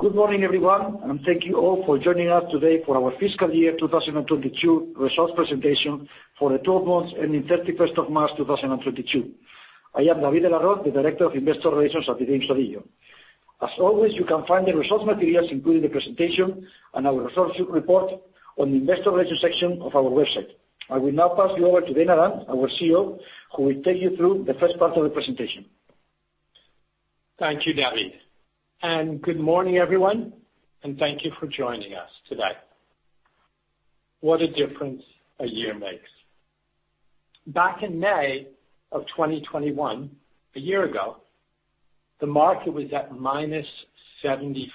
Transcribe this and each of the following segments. Good morning, everyone, and thank you all for joining us today for our fiscal year 2022 results presentation for the twelve months ending 31st of March 2022. I am David de la Roz, the Director of Investor Relations at eDreams ODIGEO. As always, you can find the results materials, including the presentation and our results report on the investor relations section of our website. I will now pass you over to Dana Dunne, our CEO, who will take you through the first part of the presentation. Thank you, David. Good morning, everyone, and thank you for joining us today. What a difference a year makes. Back in May of 2021, a year ago, the market was at minus 75%.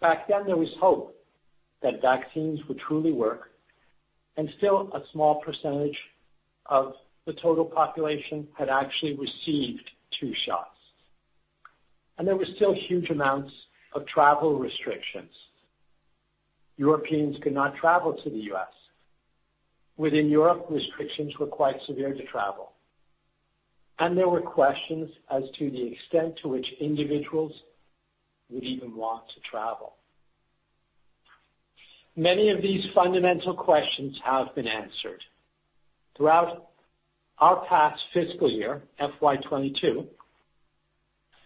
Back then, there was hope that vaccines would truly work, and still a small percentage of the total population had actually received two shots. There were still huge amounts of travel restrictions. Europeans could not travel to the U.S. Within Europe, restrictions were quite severe to travel. There were questions as to the extent to which individuals would even want to travel. Many of these fundamental questions have been answered. Throughout our past fiscal year, FY 22,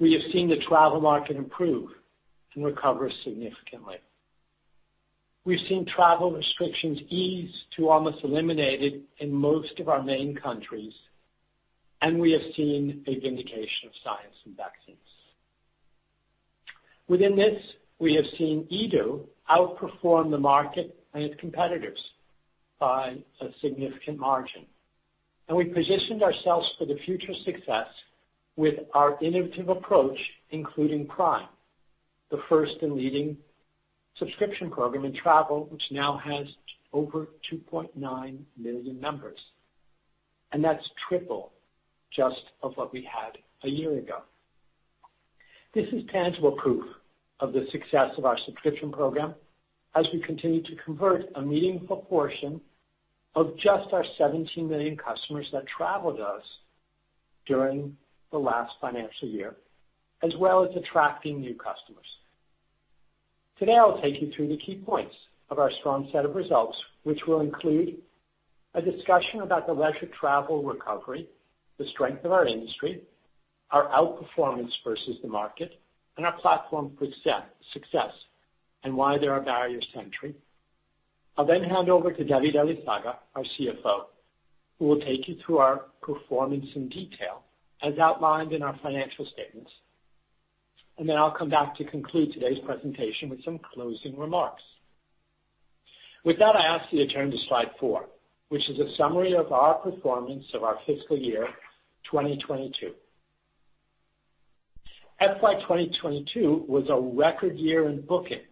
we have seen the travel market improve and recover significantly. We've seen travel restrictions ease to almost eliminated in most of our main countries, and we have seen a vindication of science and vaccines. Within this, we have seen Edo outperform the market and its competitors by a significant margin. We positioned ourselves for the future success with our innovative approach, including Prime, the first and leading subscription program in travel, which now has over 2.9 million members. That's triple just of what we had a year ago. This is tangible proof of the success of our subscription program as we continue to convert a meaningful portion of just our 17 million customers that traveled us during the last financial year, as well as attracting new customers. Today, I'll take you through the key points of our strong set of results, which will include a discussion about the leisure travel recovery, the strength of our industry, our outperformance versus the market, and our platform success, and why they're our barriers to entry. I'll then hand over to David Elizaga, our CFO, who will take you through our performance in detail as outlined in our financial statements. I'll come back to conclude today's presentation with some closing remarks. With that, I ask you to turn to slide 4, which is a summary of our performance of our fiscal year 2022. FY 2022 was a record year in bookings.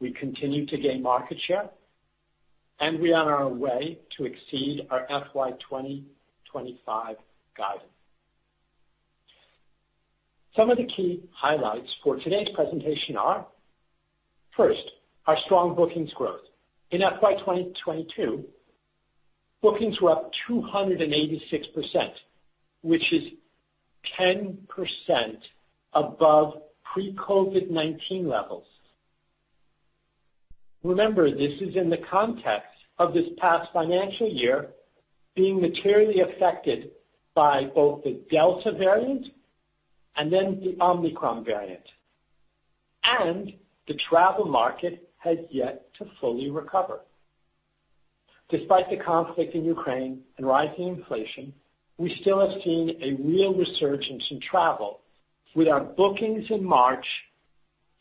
We continue to gain market share, and we're on our way to exceed our FY 2025 guidance. Some of the key highlights for today's presentation are, first, our strong bookings growth. In FY 2022, bookings were up 286%, which is 10% above pre-COVID-19 levels. Remember, this is in the context of this past financial year being materially affected by both the Delta variant and then the Omicron variant, and the travel market has yet to fully recover. Despite the conflict in Ukraine and rising inflation, we still have seen a real resurgence in travel with our bookings in March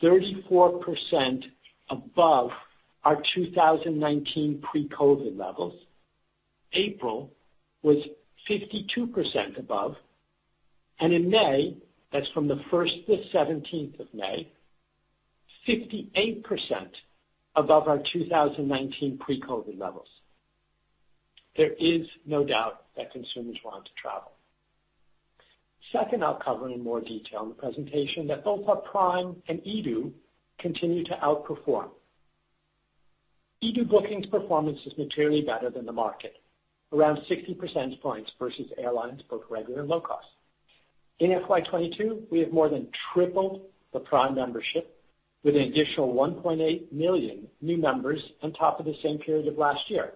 34% above our 2019 pre-COVID levels. April was 52% above. In May, that's from the first to seventeenth of May, 58% above our 2019 pre-COVID levels. There is no doubt that consumers want to travel. Second, I'll cover in more detail in the presentation that both our Prime and EDU continue to outperform. EDU bookings performance is materially better than the market, around 60 percentage points versus airlines, both regular and low cost. In FY 2022, we have more than tripled the Prime membership with an additional 1.8 million new members on top of the same period of last year.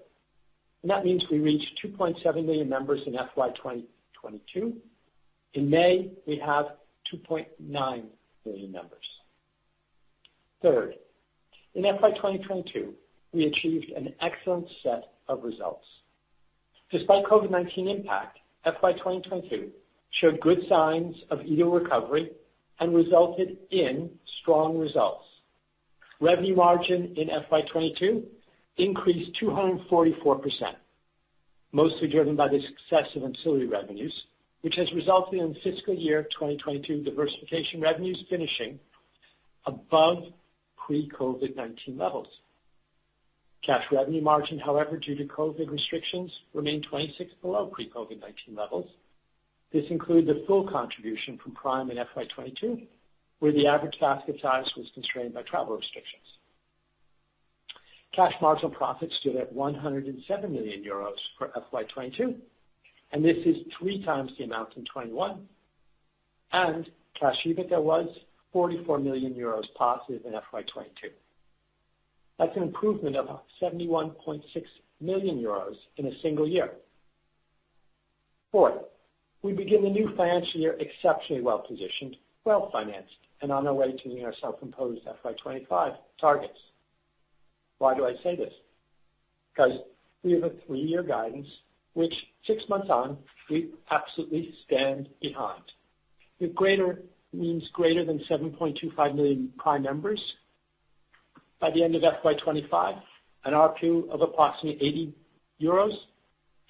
That means we reached 2.7 million members in FY 2022. In May, we have 2.9 million members. Third, in FY 2022, we achieved an excellent set of results. Despite COVID-19 impact, FY 2022 showed good signs of eDO recovery and resulted in strong results. Revenue margin in FY 2022 increased 244%, mostly driven by the success of ancillary revenues, which has resulted in fiscal year 2022 diversification revenues finishing above pre-COVID-19 levels. Cash revenue margin, however, due to COVID restrictions, remained 26% below pre-COVID-19 levels. This includes the full contribution from Prime in FY 2022, where the average basket size was constrained by travel restrictions. Cash marginal profits stood at 107 million euros for FY 2022, and this is 3 times the amount in 2021. Cash EBITDA was 44 million euros positive in FY 2022. That's an improvement of 71.6 million euros in a single year. Fourth, we begin the new financial year exceptionally well-positioned, well-financed, and on our way to meeting our self-imposed FY 2025 targets. Why do I say this? Because we have a three-year guidance which six months on, we absolutely stand behind. The greater means greater than 7.25 million Prime members by the end of FY 2025, an ARPU of approximately 80 euros,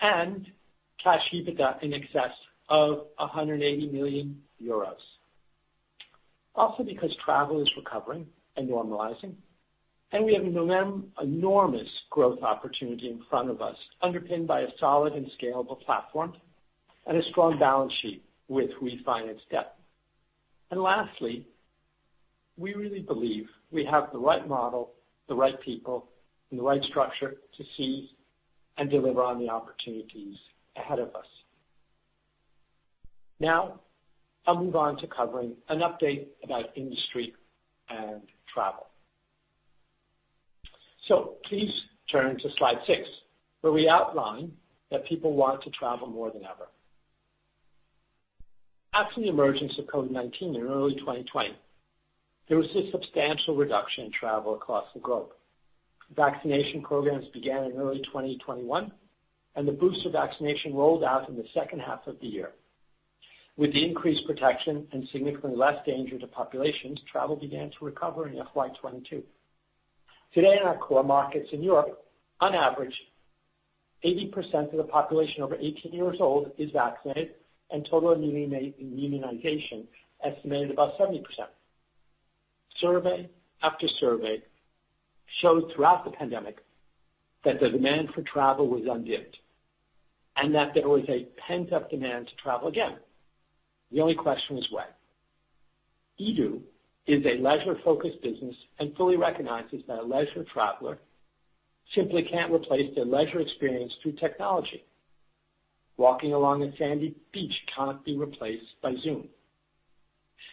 and cash EBITDA in excess of 180 million euros. Because travel is recovering and normalizing, and we have an enormous growth opportunity in front of us, underpinned by a solid and scalable platform and a strong balance sheet with refinance debt. Lastly, we really believe we have the right model, the right people, and the right structure to seize and deliver on the opportunities ahead of us. Now, I'll move on to covering an update about industry and travel. Please turn to slide 6, where we outline that people want to travel more than ever. After the emergence of COVID-19 in early 2020, there was a substantial reduction in travel across the globe. Vaccination programs began in early 2021, and the booster vaccination rolled out in the second half of the year. With the increased protection and significantly less danger to populations, travel began to recover in FY 2022. Today, in our core markets in Europe, on average, 80% of the population over 18 years old is vaccinated, and total immunization estimated about 70%. Survey after survey showed throughout the pandemic that the demand for travel was undimmed and that there was a pent-up demand to travel again. The only question was when. EDU is a leisure-focused business and fully recognizes that a leisure traveler simply can't replace their leisure experience through technology. Walking along a sandy beach can't be replaced by Zoom.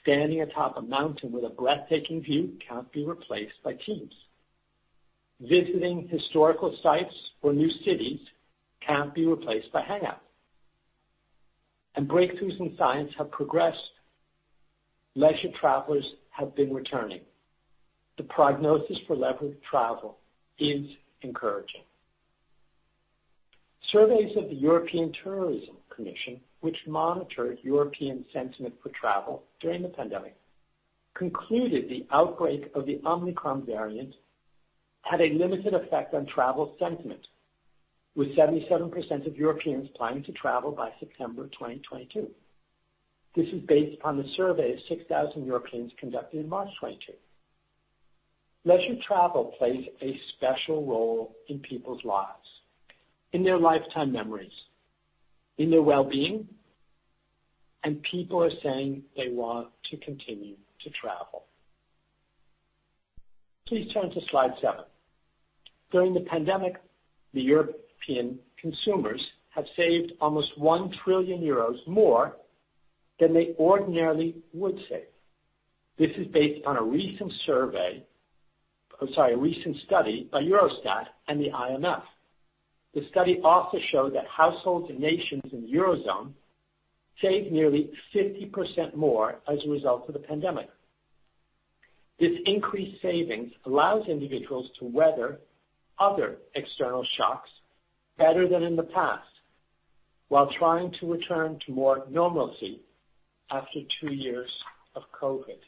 Standing atop a mountain with a breathtaking view can't be replaced by Teams. Visiting historical sites or new cities can't be replaced by Hangouts. Breakthroughs in science have progressed. Leisure travelers have been returning. The prognosis for leisure travel is encouraging. Surveys of the European Travel Commission, which monitor European sentiment for travel during the pandemic, concluded the outbreak of the Omicron variant had a limited effect on travel sentiment, with 77% of Europeans planning to travel by September 2022. This is based upon the survey of 6,000 Europeans conducted in March 2022. Leisure travel plays a special role in people's lives, in their lifetime memories, in their wellbeing, and people are saying they want to continue to travel. Please turn to slide seven. During the pandemic, the European consumers have saved almost 1 trillion euros more than they ordinarily would save. This is based on a recent study by Eurostat and the IMF. The study also showed that households and nations in the Eurozone saved nearly 50% more as a result of the pandemic. This increased savings allows individuals to weather other external shocks better than in the past while trying to return to more normalcy after two years of COVID.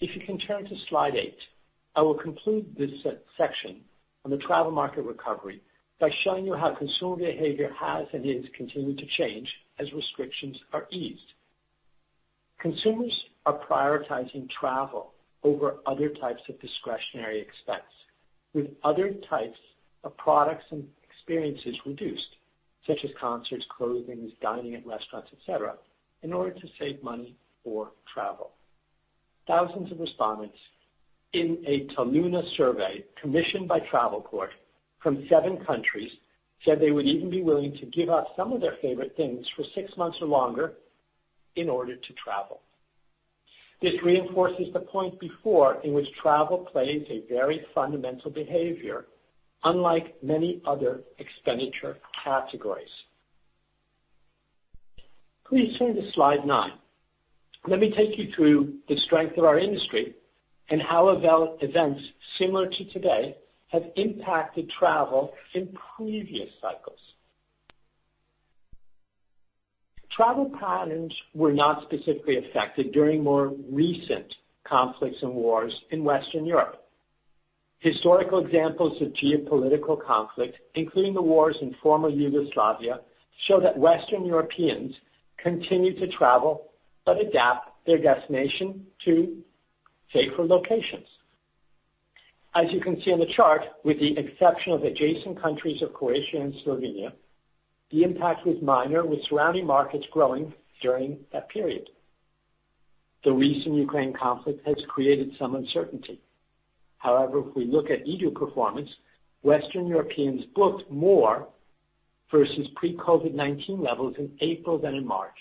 If you can turn to slide 8, I will conclude this section on the travel market recovery by showing you how consumer behavior has and is continuing to change as restrictions are eased. Consumers are prioritizing travel over other types of discretionary expense, with other types of products and experiences reduced, such as concerts, clothing, dining at restaurants, et cetera, in order to save money for travel. Thousands of respondents in a Toluna survey commissioned by Travelport from 7 countries said they would even be willing to give up some of their favorite things for six months or longer in order to travel. This reinforces the point before in which travel plays a very fundamental behavior, unlike many other expenditure categories. Please turn to slide 9. Let me take you through the strength of our industry and how events similar to today have impacted travel in previous cycles. Travel patterns were not specifically affected during more recent conflicts and wars in Western Europe. Historical examples of geopolitical conflict, including the wars in former Yugoslavia, show that Western Europeans continue to travel but adapt their destination to safer locations. As you can see on the chart, with the exception of adjacent countries of Croatia and Slovenia, the impact was minor, with surrounding markets growing during that period. The recent Ukraine conflict has created some uncertainty. However, if we look at eDO performance, Western Europeans booked more versus pre-COVID-19 levels in April than in March,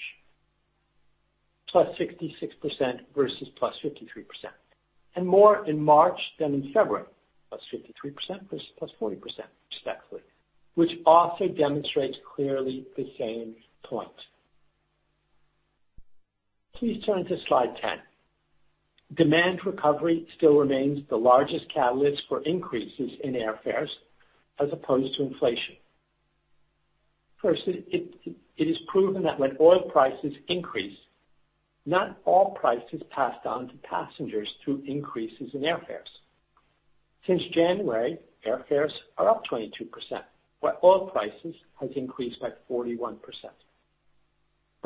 +66% versus +53%. More in March than in February, +53% versus +40% respectively, which also demonstrates clearly the same point. Please turn to slide ten. Demand recovery still remains the largest catalyst for increases in airfares as opposed to inflation. First, it is proven that when oil prices increase, not all prices passed on to passengers through increases in airfares. Since January, airfares are up 22%, while oil prices has increased by 41%.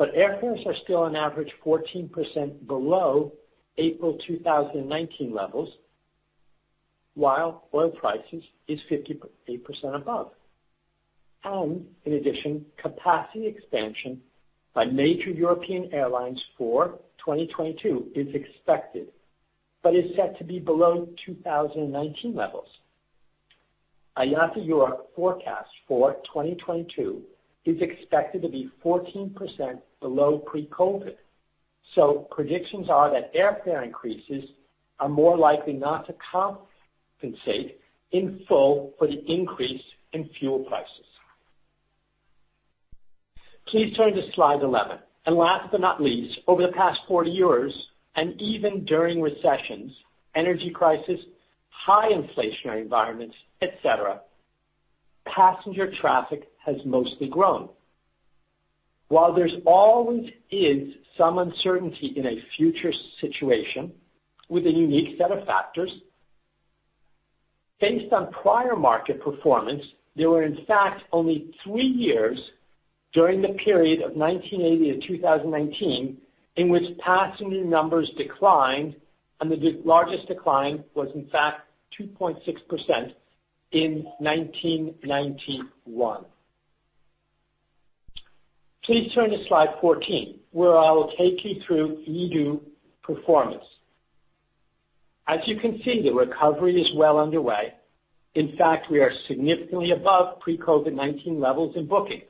Airfares are still on average 14% below April 2019 levels, while oil prices is 58% above. In addition, capacity expansion by major European airlines for 2022 is expected but is set to be below 2019 levels. IATA Europe forecast for 2022 is expected to be 14% below pre-COVID. Predictions are that airfare increases are more likely not to compensate in full for the increase in fuel prices. Please turn to slide eleven. Last but not least, over the past 40 years, and even during recessions, energy crisis, high inflationary environments, et cetera, passenger traffic has mostly grown. While there's always some uncertainty in a future situation with a unique set of factors, based on prior market performance, there were, in fact, only 3 years during the period of 1980 to 2019 in which passenger numbers declined, and the largest decline was in fact 2.6% in 1991. Please turn to slide 14, where I will take you through eDO performance. As you can see, the recovery is well underway. In fact, we are significantly above pre-COVID-19 levels in bookings.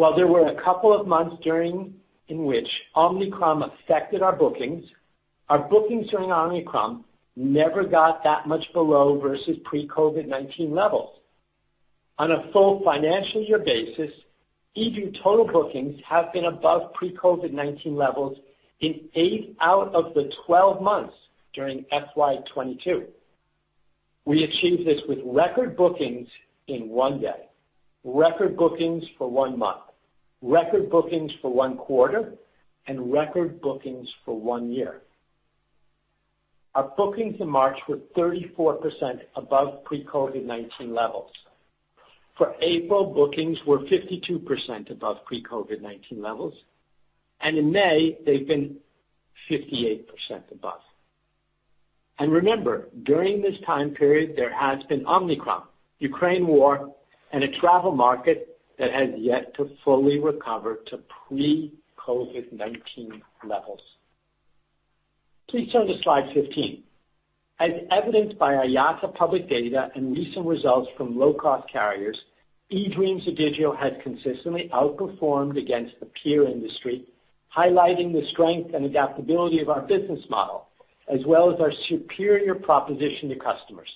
While there were a couple of months in which Omicron affected our bookings, our bookings during Omicron never got that much below versus pre-COVID-19 levels. On a full financial year basis, eDO total bookings have been above pre-COVID-19 levels in 8 out of the 12 months during FY 2022. We achieved this with record bookings in 1 day, record bookings for 1 month, record bookings for 1 quarter, and record bookings for 1 year. Our bookings in March were 34% above pre-COVID-19 levels. For April, bookings were 52% above pre-COVID-19 levels, and in May they've been 58% above. Remember, during this time period, there has been Omicron, Ukraine war, and a travel market that has yet to fully recover to pre-COVID-19 levels. Please turn to slide 15. As evidenced by IATA public data and recent results from low-cost carriers, eDreams ODIGEO has consistently outperformed against the peer industry, highlighting the strength and adaptability of our business model, as well as our superior proposition to customers.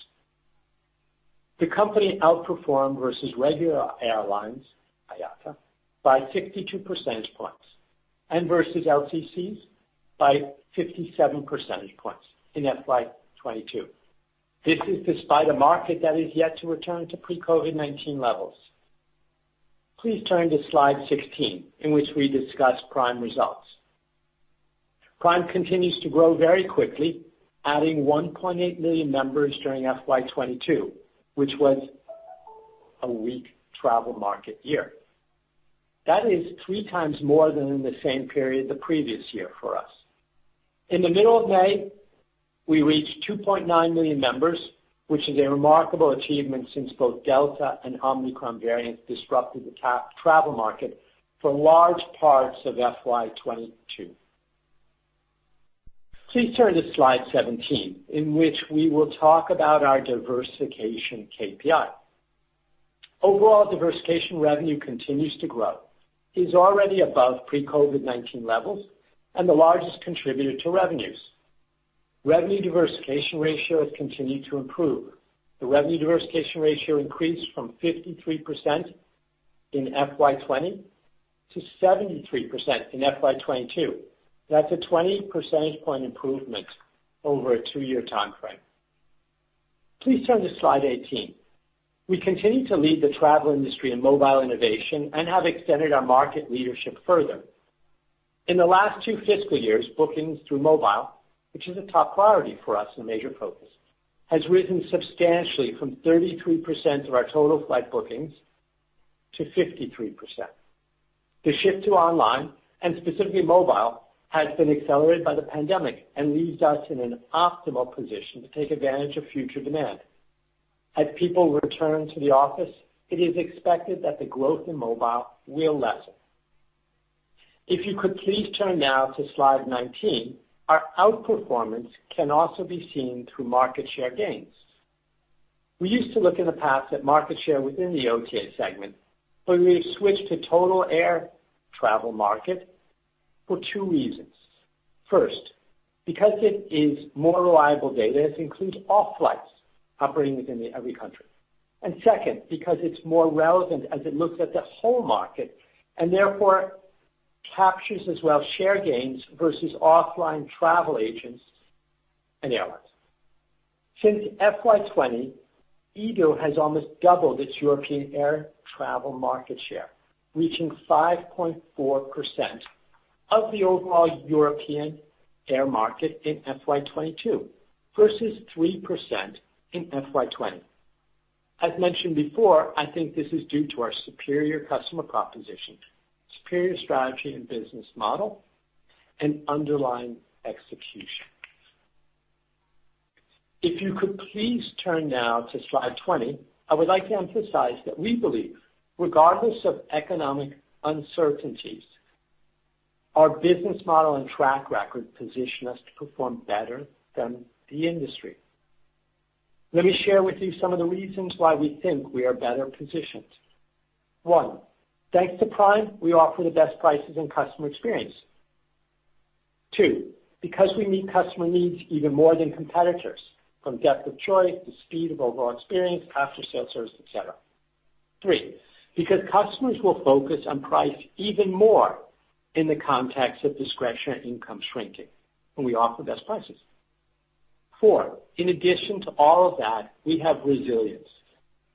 The company outperformed versus regular airlines, IATA, by 62 percentage points, and versus LCCs by 57 percentage points in FY 2022. This is despite a market that is yet to return to pre-COVID-19 levels. Please turn to slide 16, in which we discuss Prime results. Prime continues to grow very quickly, adding 1.8 million members during FY 2022, which was a weak travel market year. That is three times more than in the same period the previous year for us. In the middle of May, we reached 2.9 million members, which is a remarkable achievement since both Delta and Omicron variants disrupted the travel market for large parts of FY 2022. Please turn to slide 17, in which we will talk about our diversification KPI. Overall diversification revenue continues to grow, is already above pre-COVID-19 levels, and the largest contributor to revenues. Revenue diversification ratio has continued to improve. The revenue diversification ratio increased from 53% in FY 2020 to 73% in FY 2022. That's a 20 percentage point improvement over a 2-year timeframe. Please turn to slide 18. We continue to lead the travel industry in mobile innovation and have extended our market leadership further. In the last two fiscal years, bookings through mobile, which is a top priority for us and a major focus, has risen substantially from 33% of our total flight bookings to 53%. The shift to online, and specifically mobile, has been accelerated by the pandemic and leaves us in an optimal position to take advantage of future demand. As people return to the office, it is expected that the growth in mobile will lessen. If you could please turn now to slide 19. Our outperformance can also be seen through market share gains. We used to look in the past at market share within the OTA segment, but we have switched to total air travel market for 2 reasons. First, because it is more reliable data, it includes all flights operating within every country. Second, because it's more relevant as it looks at the whole market, and therefore captures as well share gains versus offline travel agents and airlines. Since FY 2020, eDO has almost doubled its European air travel market share, reaching 5.4% of the overall European air market in FY 2022 versus 3% in FY 2020. As mentioned before, I think this is due to our superior customer proposition, superior strategy and business model, and underlying execution. If you could please turn now to slide 20, I would like to emphasize that we believe regardless of economic uncertainties, our business model and track record position us to perform better than the industry. Let me share with you some of the reasons why we think we are better positioned. One, thanks to Prime, we offer the best prices and customer experience. Two, because we meet customer needs even more than competitors from depth of choice to speed of overall experience, after-sales service, et cetera. Three, because customers will focus on price even more in the context of discretionary income shrinking, and we offer best prices. Four, in addition to all of that, we have resilience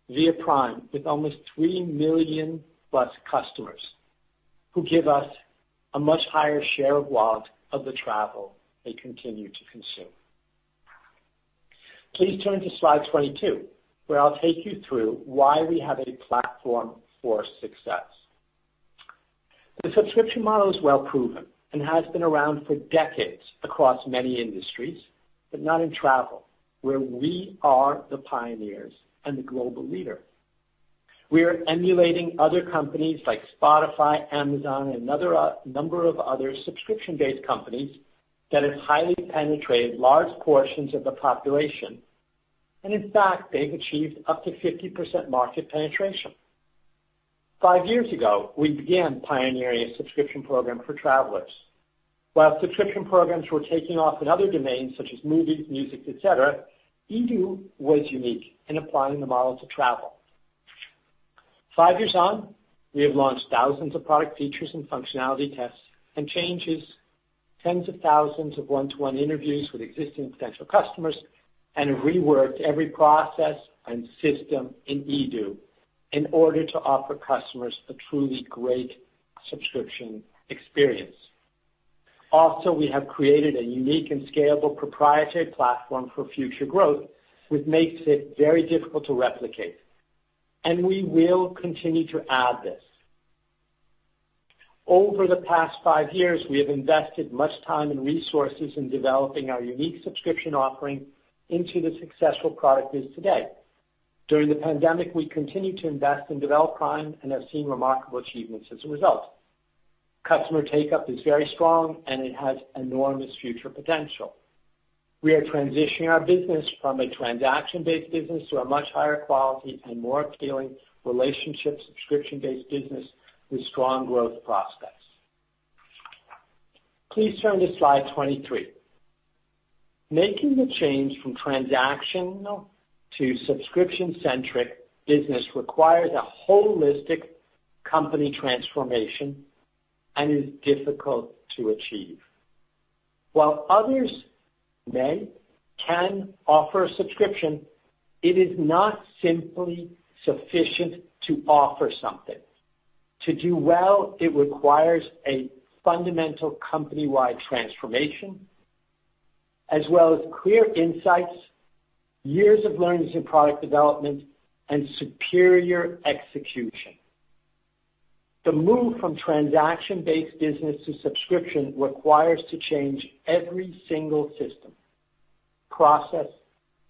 via Prime with almost 3 million-plus customers who give us a much higher share of wallet of the travel they continue to consume. Please turn to slide 22, where I'll take you through why we have a platform for success. The subscription model is well proven and has been around for decades across many industries, but not in travel, where we are the pioneers and the global leader. We are emulating other companies like Spotify, Amazon, and other, number of other subscription-based companies that have highly penetrated large portions of the population. And in fact, they've achieved up to 50% market penetration. Five years ago, we began pioneering a subscription program for travelers. While subscription programs were taking off in other domains such as movies, music, et cetera, eDO was unique in applying the model to travel. Five years on, we have launched thousands of product features and functionality tests and changes, tens of thousands of one-to-one interviews with existing potential customers, and have reworked every process and system in eDO in order to offer customers a truly great subscription experience. Also, we have created a unique and scalable proprietary platform for future growth, which makes it very difficult to replicate, and we will continue to add this. Over the past five years, we have invested much time and resources in developing our unique subscription offering into the successful product it is today. During the pandemic, we continued to invest and develop Prime and have seen remarkable achievements as a result. Customer take-up is very strong, and it has enormous future potential. We are transitioning our business from a transaction-based business to a much higher quality and more appealing relationship subscription-based business with strong growth prospects. Please turn to slide 23. Making the change from transactional to subscription-centric business requires a holistic company transformation and is difficult to achieve. While others may, can offer a subscription, it is not simply sufficient to offer something. To do well, it requires a fundamental company-wide transformation as well as clear insights, years of learnings and product development, and superior execution. The move from transaction-based business to subscription requires to change every single system, process,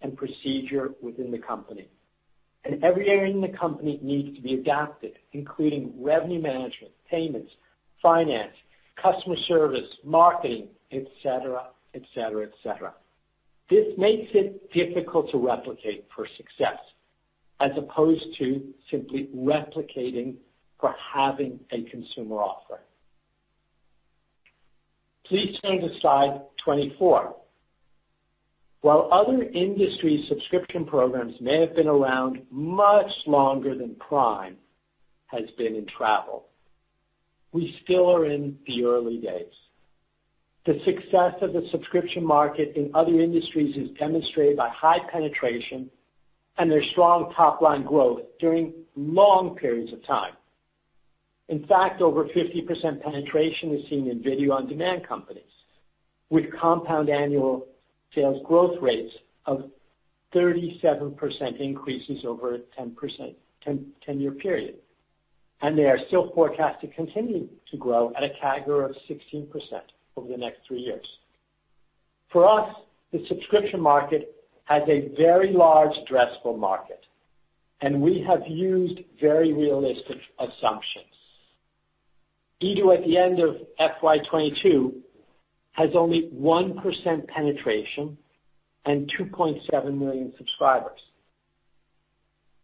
and procedure within the company, and every area in the company needs to be adapted, including revenue management, payments, finance, customer service, marketing, et cetera, et cetera, et cetera. This makes it difficult to replicate for success as opposed to simply replicating for having a consumer offering. Please turn to slide 24. While other industry subscription programs may have been around much longer than Prime has been in travel, we still are in the early days. The success of the subscription market in other industries is demonstrated by high penetration and their strong top-line growth during long periods of time. In fact, over 50% penetration is seen in video-on-demand companies with compound annual sales growth rates of 37% increases over 10-year period. They are still forecasted continuing to grow at a CAGR of 16% over the next three years. For us, the subscription market has a very large addressable market, and we have used very realistic assumptions. eDO, at the end of FY 2022, has only 1% penetration and 2.7 million subscribers.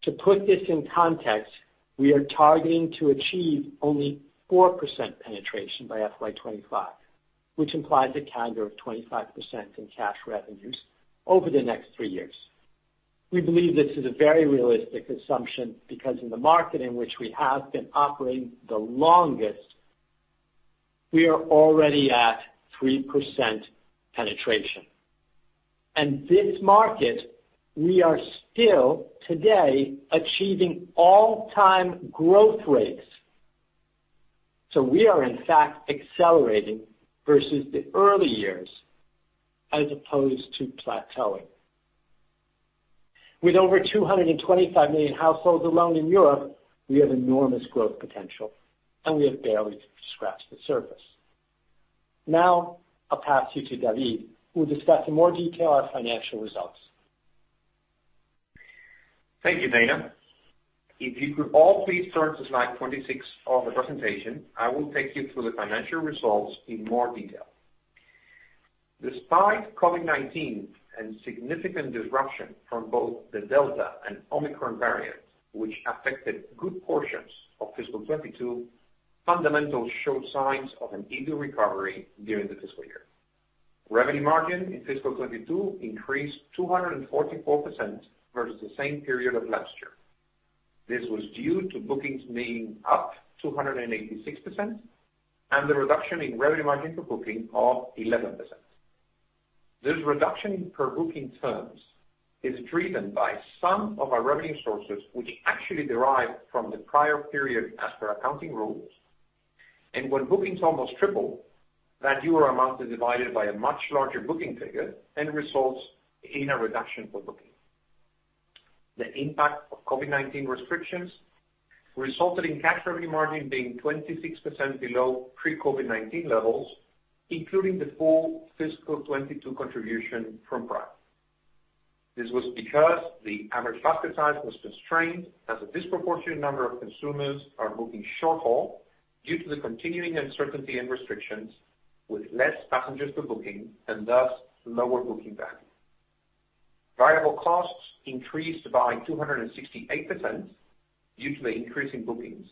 To put this in context, we are targeting to achieve only 4% penetration by FY 2025, which implies a CAGR of 25% in cash revenues over the next 3 years. We believe this is a very realistic assumption because in the market in which we have been operating the longest, we are already at 3% penetration. This market, we are still today achieving all-time growth rates. We are in fact accelerating versus the early years as opposed to plateauing. With over 225 million households alone in Europe, we have enormous growth potential, and we have barely scratched the surface. Now I'll pass you to David, who will discuss in more detail our financial results. Thank you, Dana. If you could all please turn to slide 26 of the presentation, I will take you through the financial results in more detail. Despite COVID-19 and significant disruption from both the Delta and Omicron variants, which affected good portions of fiscal 2022, fundamentals showed signs of an eDO recovery during the fiscal year. Revenue margin in fiscal 2022 increased 244% versus the same period of last year. This was due to bookings being up 286% and the reduction in revenue margin per booking of 11%. This reduction in per booking terms is driven by some of our revenue sources which actually derive from the prior period as per accounting rules. When bookings almost triple, that euro amount is divided by a much larger booking figure and results in a reduction per booking. The impact of COVID-19 restrictions resulted in cash revenue margin being 26% below pre-COVID-19 levels, including the full fiscal 2022 contribution from Prime. This was because the average basket size was constrained as a disproportionate number of consumers are booking short-haul due to the continuing uncertainty and restrictions with less passengers per booking and thus lower booking value. Variable costs increased by 268% due to the increase in bookings,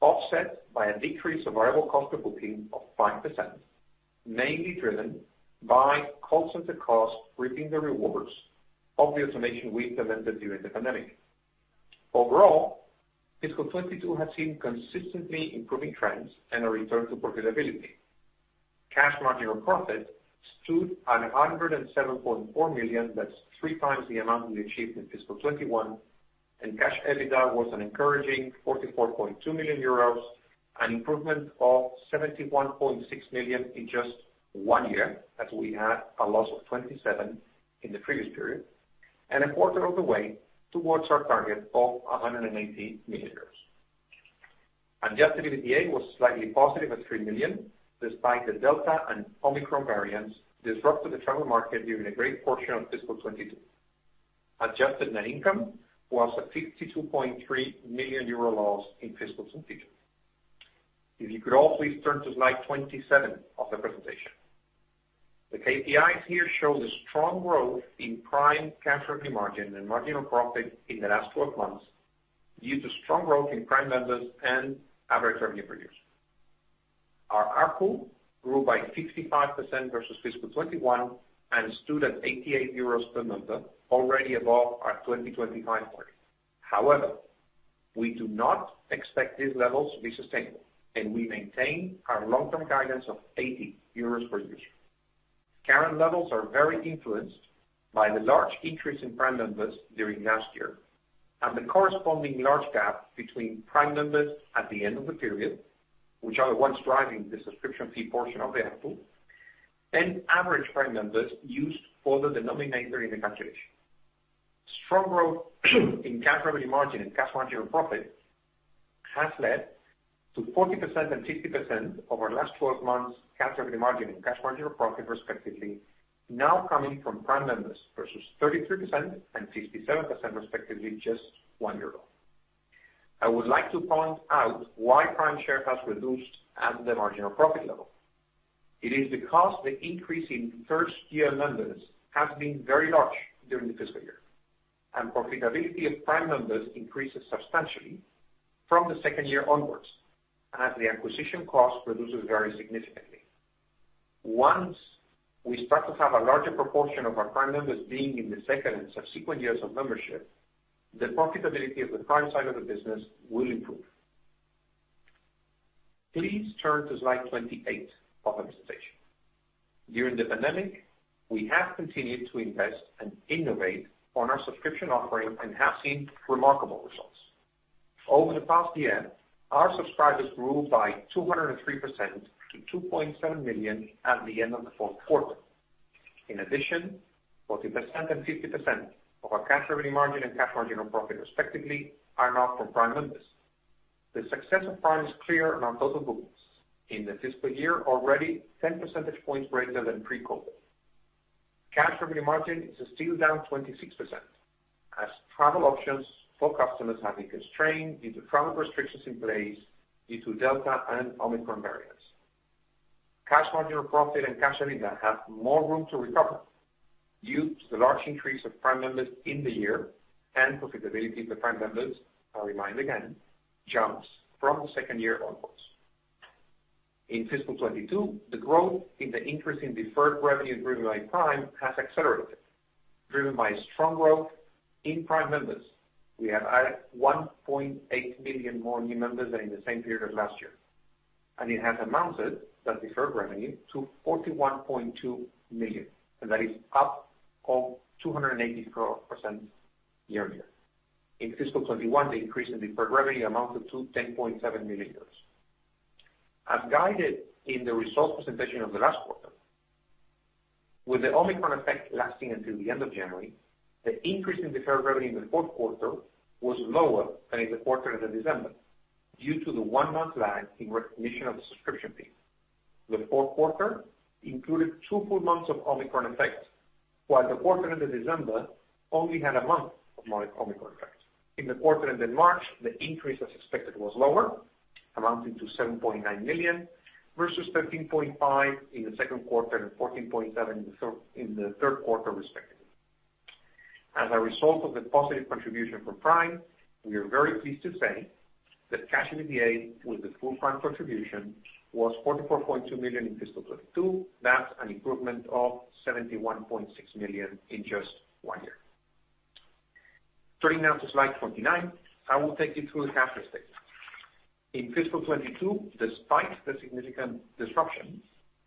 offset by a decrease of variable cost per booking of 5%, mainly driven by constant cost reaping the rewards of the automation we implemented during the pandemic. Overall, fiscal 2022 has seen consistently improving trends and a return to profitability. Cash margin or profit stood at 107.4 million. That's 3 times the amount we achieved in fiscal 2021, and cash EBITDA was an encouraging 44.2 million euros, an improvement of 71.6 million in just 1 year, as we had a loss of 27 million in the previous period, and a quarter of the way towards our target of 180 million euros. Adjusted EBITDA was slightly positive at 3 million, despite the Delta and Omicron variants disrupted the travel market during a great portion of fiscal 2022. Adjusted net income was a 52.3 million euro loss in fiscal 2022. If you could all please turn to slide 27 of the presentation. The KPIs here show the strong growth in Prime cash revenue margin and marginal profit in the last 12 months due to strong growth in Prime members and average revenue per user. Our ARPU grew by 65% versus fiscal 2021 and stood at 88 euros per member, already above our 2025 target. However, we do not expect these levels to be sustainable, and we maintain our long-term guidance of 80 euros per user. Current levels are very influenced by the large increase in Prime members during last year and the corresponding large gap between Prime members at the end of the period, which are the ones driving the subscription fee portion of the ARPU, and average Prime members used for the denominator in the calculation. Strong growth in cash revenue margin and cash margin or profit has led to 40% and 60% over the last twelve months cash revenue margin and cash margin or profit respectively now coming from Prime members versus 33% and 67% respectively just one year ago. I would like to point out why Prime share has reduced at the marginal profit level. It is because the increase in first-year members has been very large during the fiscal year, and profitability of Prime members increases substantially from the second year onwards as the acquisition cost reduces very significantly. Once we start to have a larger proportion of our Prime members being in the second and subsequent years of membership, the profitability of the Prime side of the business will improve. Please turn to slide 28 of the presentation. During the pandemic, we have continued to invest and innovate on our subscription offering and have seen remarkable results. Over the past year, our subscribers grew by 203% to 2.7 million at the end of the fourth quarter. In addition, 40% and 50% of our cash revenue margin and cash margin or profit respectively are now from Prime members. The success of Prime is clear on our total bookings. In the fiscal year already 10 percentage points greater than pre-COVID. Cash revenue margin is still down 26% as travel options for customers have been constrained due to travel restrictions in place due to Delta and Omicron variants. Cash margin of profit and cash EBITDA have more room to recover due to the large increase of Prime members in the year and profitability of the Prime members, I remind again, jumps from the second year onwards. In fiscal 2022, the growth in the increase in deferred revenue driven by Prime has accelerated, driven by strong growth in Prime members. We have added 1.8 million more new members than in the same period last year, and it has amounted to deferred revenue of 41.2 million, and that is up 284% year-over-year. In fiscal 2021, the increase in deferred revenue amounted to 10.7 million. As guided in the results presentation of the last quarter. With the Omicron effect lasting until the end of January, the increase in deferred revenue in the fourth quarter was lower than in the quarter ended December, due to the one-month lag in recognition of the subscription fees. The fourth quarter included two full months of Omicron effect, while the quarter ended December only had a month of Omicron effect. In the quarter ended March, the increase as expected was lower, amounting to 7.9 million versus 13.5 in the second quarter and 14.7 in the third quarter respectively. As a result of the positive contribution from Prime, we are very pleased to say that cash EBITDA with the full Prime contribution was 44.2 million in fiscal 2022. That's an improvement of 71.6 million in just one year. Turning now to slide 29, I will take you through the cash flow statement. In fiscal 2022, despite the significant disruption,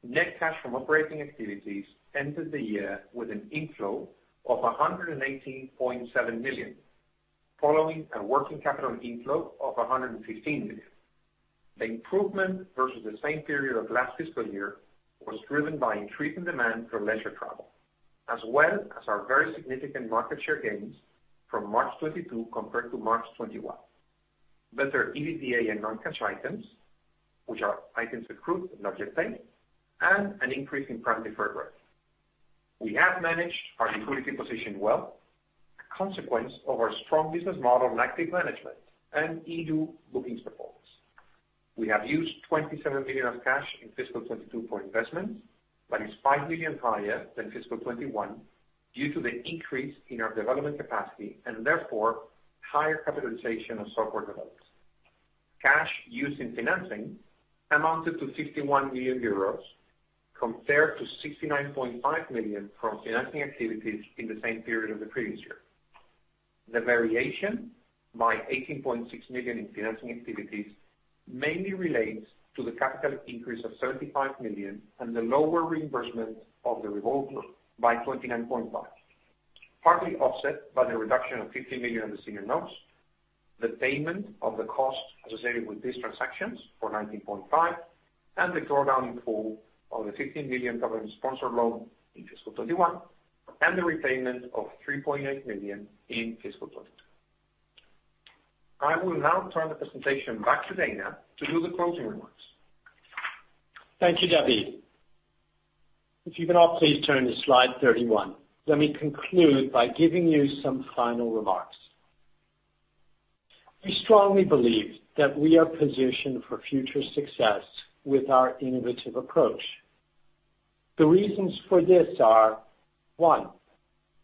net cash from operating activities ended the year with an inflow of 118.7 million, following a working capital inflow of 115 million. The improvement versus the same period of last fiscal year was driven by increasing demand for leisure travel, as well as our very significant market share gains from March 2022 compared to March 2021. Better EBITDA and non-cash items, which are items accrued but not yet paid, and an increase in Prime deferred growth. We have managed our liquidity position well, a consequence of our strong business model and active management and eDO bookings performance. We have used 27 million of cash in fiscal 2022 for investments. That is 5 million higher than fiscal 2021 due to the increase in our development capacity and therefore higher capitalization of software development. Cash used in financing amounted to 51 million euros compared to 69.5 million in financing activities in the same period of the previous year. The variation by 18.6 million in financing activities mainly relates to the capital increase of 75 million and the lower reimbursement of the revolver by 29.5 million, partly offset by the reduction of 15 million in the senior notes, the payment of the costs associated with these transactions for 19.5 million, and the drawdown in full of the 15 million government sponsored loan in fiscal 2021, and the repayment of 3.8 million in fiscal 2022. I will now turn the presentation back to Dana to do the closing remarks. Thank you, David. If you can all please turn to slide 31. Let me conclude by giving you some final remarks. We strongly believe that we are positioned for future success with our innovative approach. The reasons for this are, one,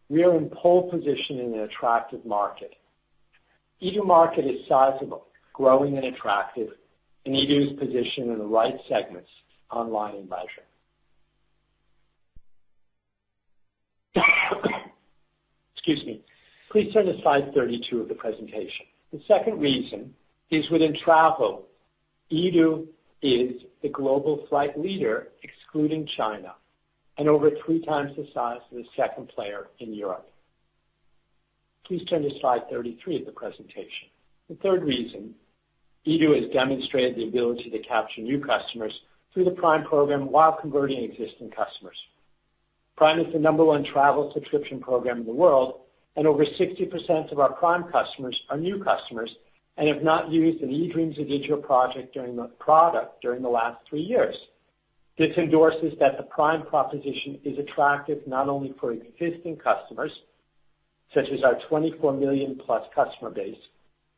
we are in pole position in an attractive market. eDO market is sizable, growing and attractive, and eDO is positioned in the right segments, online and leisure. Excuse me. Please turn to slide 32 of the presentation. The second reason is within travel, eDO is the global flight leader, excluding China, and over three times the size of the second player in Europe. Please turn to slide 33 of the presentation. The third reason, eDO has demonstrated the ability to capture new customers through the Prime program while converting existing customers. Prime is the number one travel subscription program in the world, and over 60% of our Prime customers are new customers and have not used an eDreams ODIGEO product during the last three years. This endorses that the Prime proposition is attractive not only for existing customers, such as our 24 million-plus customer base,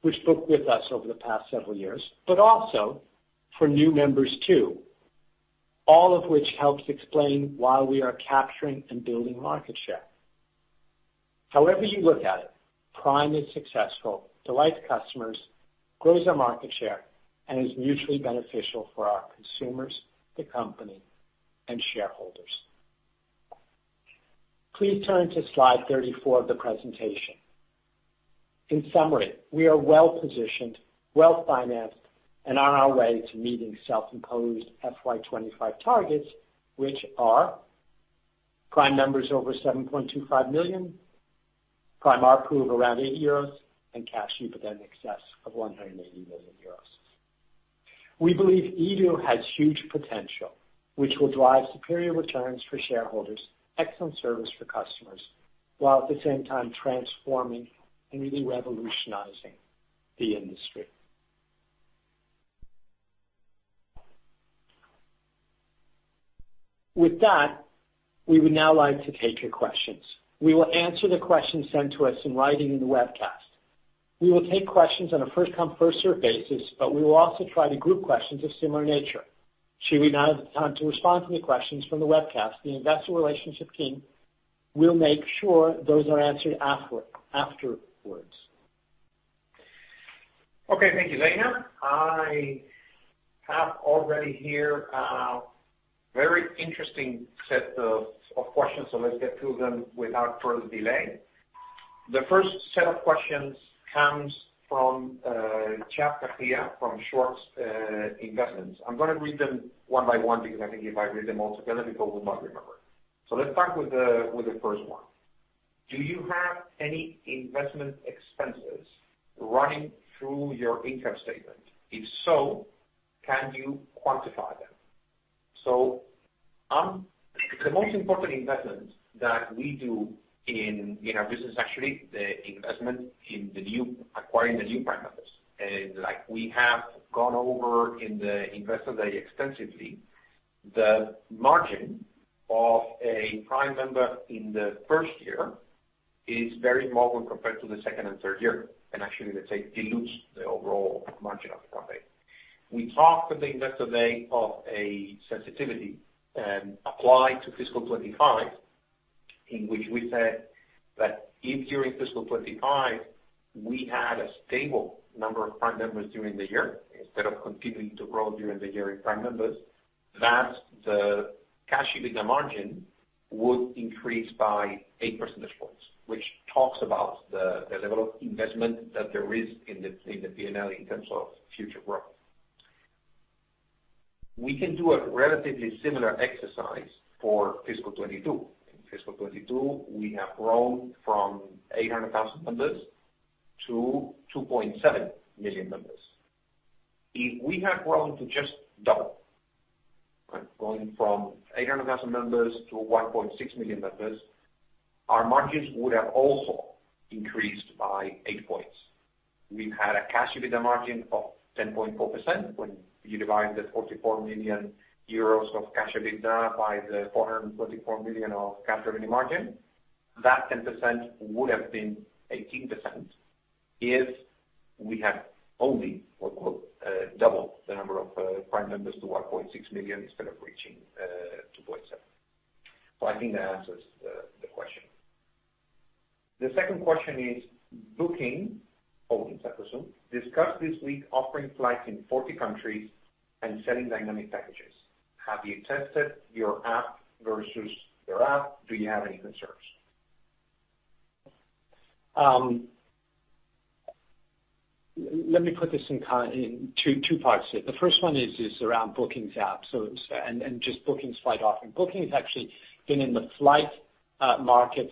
which booked with us over the past several years, but also for new members too. All of which helps explain why we are capturing and building market share. However you look at it, Prime is successful, delights customers, grows our market share, and is mutually beneficial for our consumers, the company, and shareholders. Please turn to slide 34 of the presentation. In summary, we are well-positioned, well-financed, and on our way to meeting self-imposed FY 25 targets, which are Prime members over 7.25 million, Prime ARPPU of around 80 euros, and cash EBITDA in excess of 180 million euros. We believe eDO has huge potential, which will drive superior returns for shareholders, excellent service for customers, while at the same time transforming and really revolutionizing the industry. With that, we would now like to take your questions. We will answer the questions sent to us in writing in the webcast. We will take questions on a first come, first served basis, but we will also try to group questions of similar nature. Should we not have the time to respond to the questions from the webcast, the Investor Relations team will make sure those are answered afterwards. Okay, thank you, Dana. I have already here a very interesting set of questions, let's get through them without further delay. The first set of questions comes from Chad Katia from Shorts Investments. I'm gonna read them one by one because I think if I read them all together, people will not remember. Let's start with the first one. Do you have any investment expenses running through your income statement? If so, can you quantify them? The most important investment that we do in our business, actually the investment in acquiring the new Prime members. Like we have gone over in the investor day extensively, the margin of a Prime member in the first year is very low when compared to the second and third year, and actually, let's say, dilutes the overall margin of the company. We talked at the investor day of a sensitivity and applied to fiscal 2025, in which we said that if during fiscal 2025 we had a stable number of Prime members during the year, instead of continuing to grow during the year in Prime members, that the cash EBITDA margin would increase by 8 percentage points, which talks about the level of investment that there is in the P&L in terms of future growth. We can do a relatively similar exercise for fiscal 2022. In fiscal 2022, we have grown from 800,000 members to 2.7 million members. If we had grown to just double, right? Going from 800,000 members to 1.6 million members, our margins would have also increased by 8 points. We've had a cash EBITDA margin of 10.4% when you divide the 44 million euros of cash EBITDA by the 444 million of cash revenue margin. That 10% would have been 18% if we had only, quote, unquote, doubled the number of Prime members to 1.6 million instead of reaching 2.7. I think that answers the question. The second question is Booking Holdings, I presume, discussed this week offering flights in 40 countries and selling dynamic packages. Have you tested your app versus their app? Do you have any concerns? Let me put this in two parts here. The first one is around Booking's app. And just Booking's flight offering. Booking has actually been in the flight market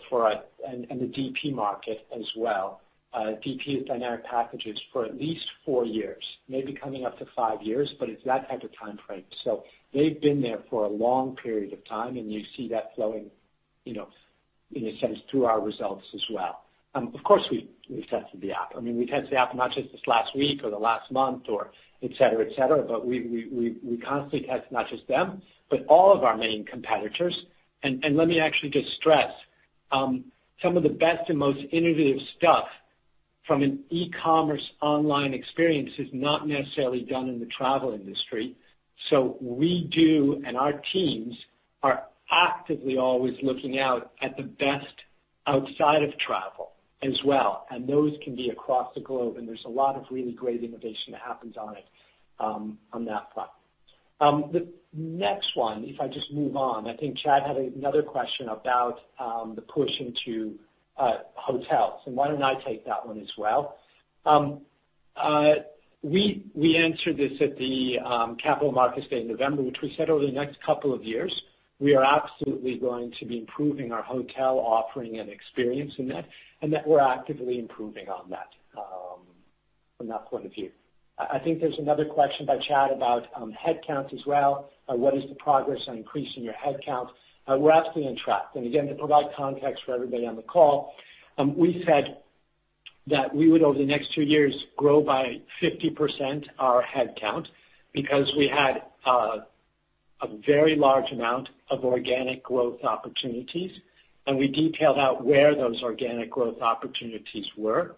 and the DP market as well, DP's dynamic packages, for at least four years, maybe coming up to five years, but it's that type of timeframe. They've been there for a long period of time, and you see that flowing, you know, in a sense, through our results as well. Of course, we've tested the app. I mean, we've tested the app not just this last week or the last month or et cetera, et cetera, but we constantly test not just them, but all of our main competitors. Let me actually just stress some of the best and most innovative stuff from an e-commerce online experience is not necessarily done in the travel industry. We do, and our teams are actively always looking out at the best outside of travel as well, and those can be across the globe, and there's a lot of really great innovation that happens on it, on that front. The next one, if I just move on, I think Chad had another question about the push into hotels, and why don't I take that one as well? We answered this at the Capital Markets Day in November, which we said over the next couple of years, we are absolutely going to be improving our hotel offering and experience in that, and that we're actively improving on that from that point of view. I think there's another question by Chad about headcount as well. What is the progress on increasing your headcount? We're absolutely on track. Again, to provide context for everybody on the call, we said that we would over the next two years grow by 50% our headcount because we had a very large amount of organic growth opportunities, and we detailed out where those organic growth opportunities were.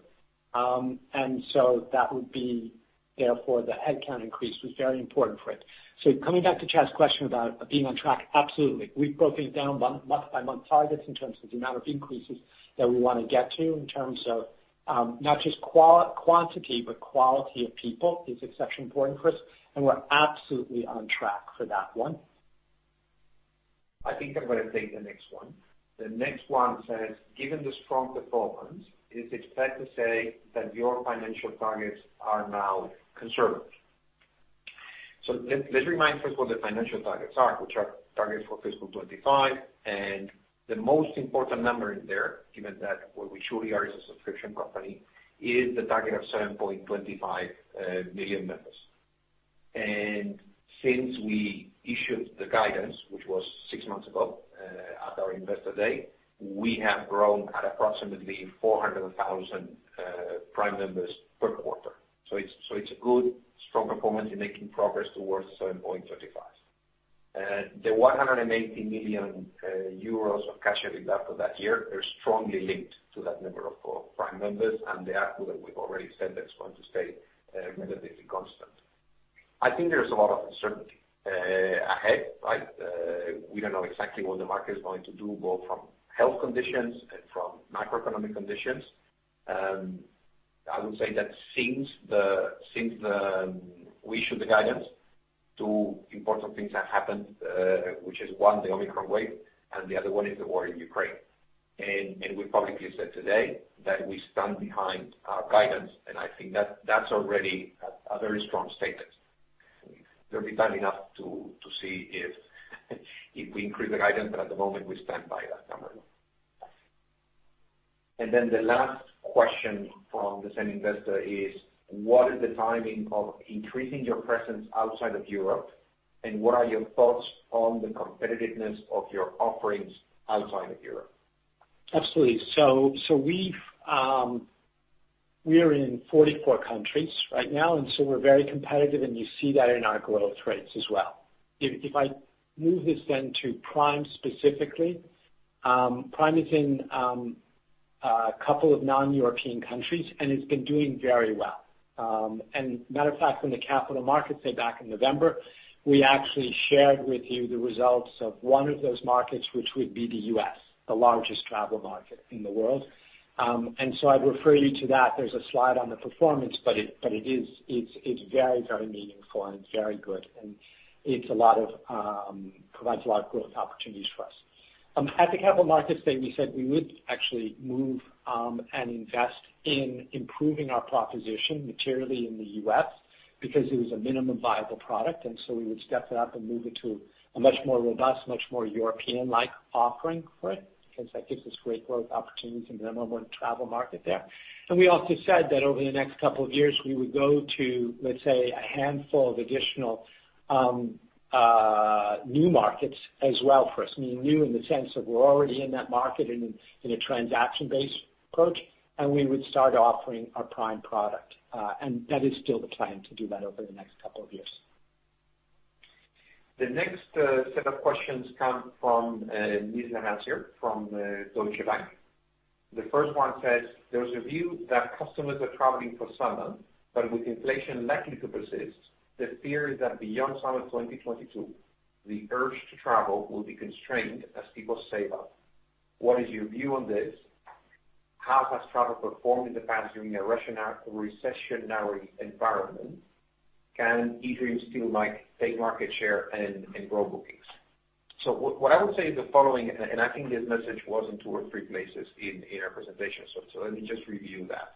That would be therefore the headcount increase was very important for it. Coming back to Chad's question about being on track, absolutely. We've broken down month by month targets in terms of the amount of increases that we wanna get to in terms of, not just quantity, but quality of people is exceptionally important for us, and we're absolutely on track for that one. I think I'm gonna take the next one. The next one says, "Given the strong performance, is it fair to say that your financial targets are now conservative?" Let's remind first what the financial targets are, which are targets for fiscal 2025, and the most important number in there, given that what we truly are is a subscription company, is the target of 7.25 million members. Since we issued the guidance, which was six months ago, at our investor day, we have grown at approximately 400,000 Prime members per quarter. It's a good strong performance in making progress towards 7.35. The 180 million euros of cash EBITDA for that year are strongly linked to that number of Prime members, and the ARPU that we've already said that's going to stay relatively constant. I think there's a lot of uncertainty ahead, right? We don't know exactly what the market is going to do, both from health conditions and from macroeconomic conditions. I would say that since we issued the guidance, two important things have happened, which is one, the Omicron wave, and the other one is the war in Ukraine. We publicly said today that we stand behind our guidance, and I think that's already a very strong statement. There'll be time enough to see if we increase the guidance, but at the moment, we stand by that number. The last question from the same investor is: What is the timing of increasing your presence outside of Europe? What are your thoughts on the competitiveness of your offerings outside of Europe? Absolutely. We are in 44 countries right now, and we're very competitive, and you see that in our growth rates as well. If I move this then to Prime specifically, Prime is in a couple of non-European countries, and it's been doing very well. Matter of fact, in the Capital Markets Day back in November, we actually shared with you the results of one of those markets, which would be the U.S., the largest travel market in the world. I'd refer you to that. There's a slide on the performance, but it is very meaningful and it's very good. It provides a lot of growth opportunities for us. At the capital markets day, we said we would actually move and invest in improving our proposition materially in the U.S. because it was a minimum viable product, and so we would step it up and move it to a much more robust, much more European-like offering for it because that gives us great growth opportunities in the number one travel market there. We also said that over the next couple of years, we would go to, let's say, a handful of additional new markets as well for us. Meaning new in the sense of we're already in that market in a transaction-based approach, and we would start offering our Prime product. That is still the plan to do that over the next couple of years. The next set of questions come from Nizla Naizer from Deutsche Bank. The first one says there's a view that customers are traveling for summer, but with inflation likely to persist, the fear is that beyond summer 2022, the urge to travel will be constrained as people save up. What is your view on this? How has travel performed in the past during a recessionary environment? Can eDreams still, like, take market share and grow bookings? What I would say is the following, and I think this message was in two or three places in our presentation. Let me just review that.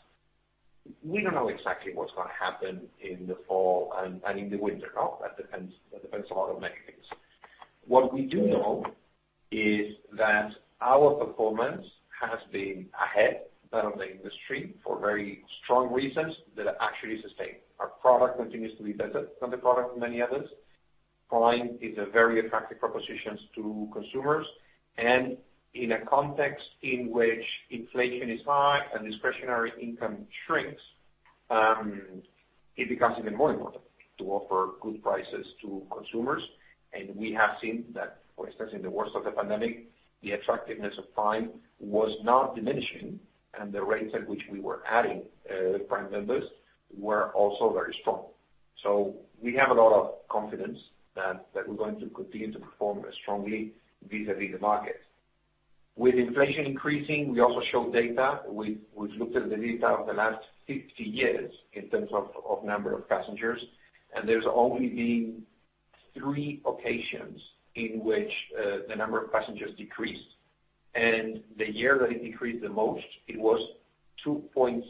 We don't know exactly what's gonna happen in the fall and in the winter. That depends a lot on many things. What we do know is that our performance has been ahead of the industry for very strong reasons that are actually sustained. Our product continues to be better than the product of many others. Prime is a very attractive proposition to consumers. In a context in which inflation is high and discretionary income shrinks, it becomes even more important to offer good prices to consumers. We have seen that, for instance, in the worst of the pandemic, the attractiveness of Prime was not diminishing, and the rates at which we were adding Prime members were also very strong. We have a lot of confidence that we're going to continue to perform strongly vis-à-vis the market. With inflation increasing, we also show data. We've looked at the data of the last 50 years in terms of number of passengers, and there's only been three occasions in which the number of passengers decreased. The year that it decreased the most, it was 2.6%.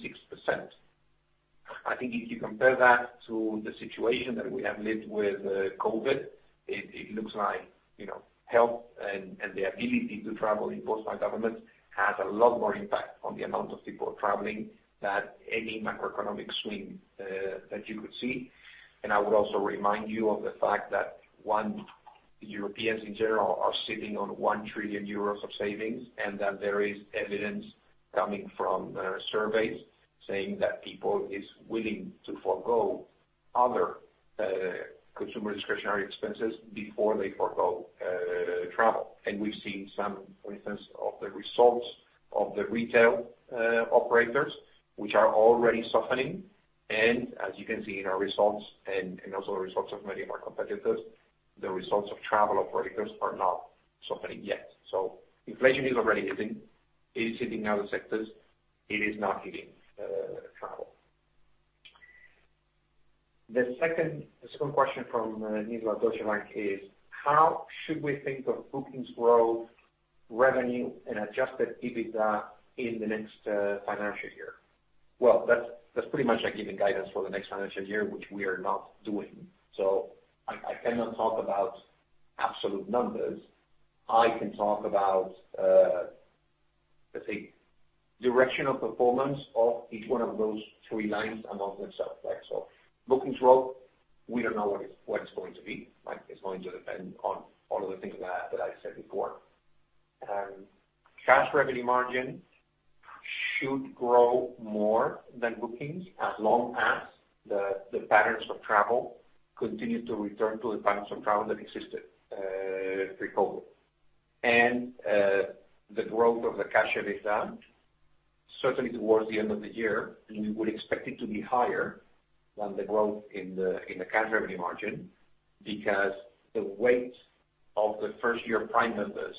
I think if you compare that to the situation that we have lived with COVID, it looks like, you know, health and the ability to travel imposed by government has a lot more impact on the amount of people traveling than any macroeconomic swing that you could see. I would also remind you of the fact that one, Europeans in general are sitting on 1 trillion euros of savings, and that there is evidence coming from surveys saying that people is willing to forego other consumer discretionary expenses before they forego travel. We've seen some instances of the results of the retail operators, which are already softening. As you can see in our results and also the results of many of our competitors, the results of travel operators are not softening yet. Inflation is already hitting other sectors. It is not hitting travel. The second question from Nizla Naizer at Deutsche Bank is. How should we think of bookings growth, revenue, and adjusted EBITDA in the next financial year? Well, that's pretty much like giving guidance for the next financial year, which we are not doing. I cannot talk about absolute numbers. I can talk about, let's say, direction of performance of each one of those three lines amongst themselves, right? Bookings growth, we don't know what it's going to be, right. It's going to depend on all of the things that I said before. Cash revenue margin should grow more than bookings as long as the patterns of travel continue to return to the patterns of travel that existed pre-COVID. The growth of the cash EBITDA, certainly towards the end of the year, we would expect it to be higher than the growth in the cash revenue margin because the weight of the first-year Prime members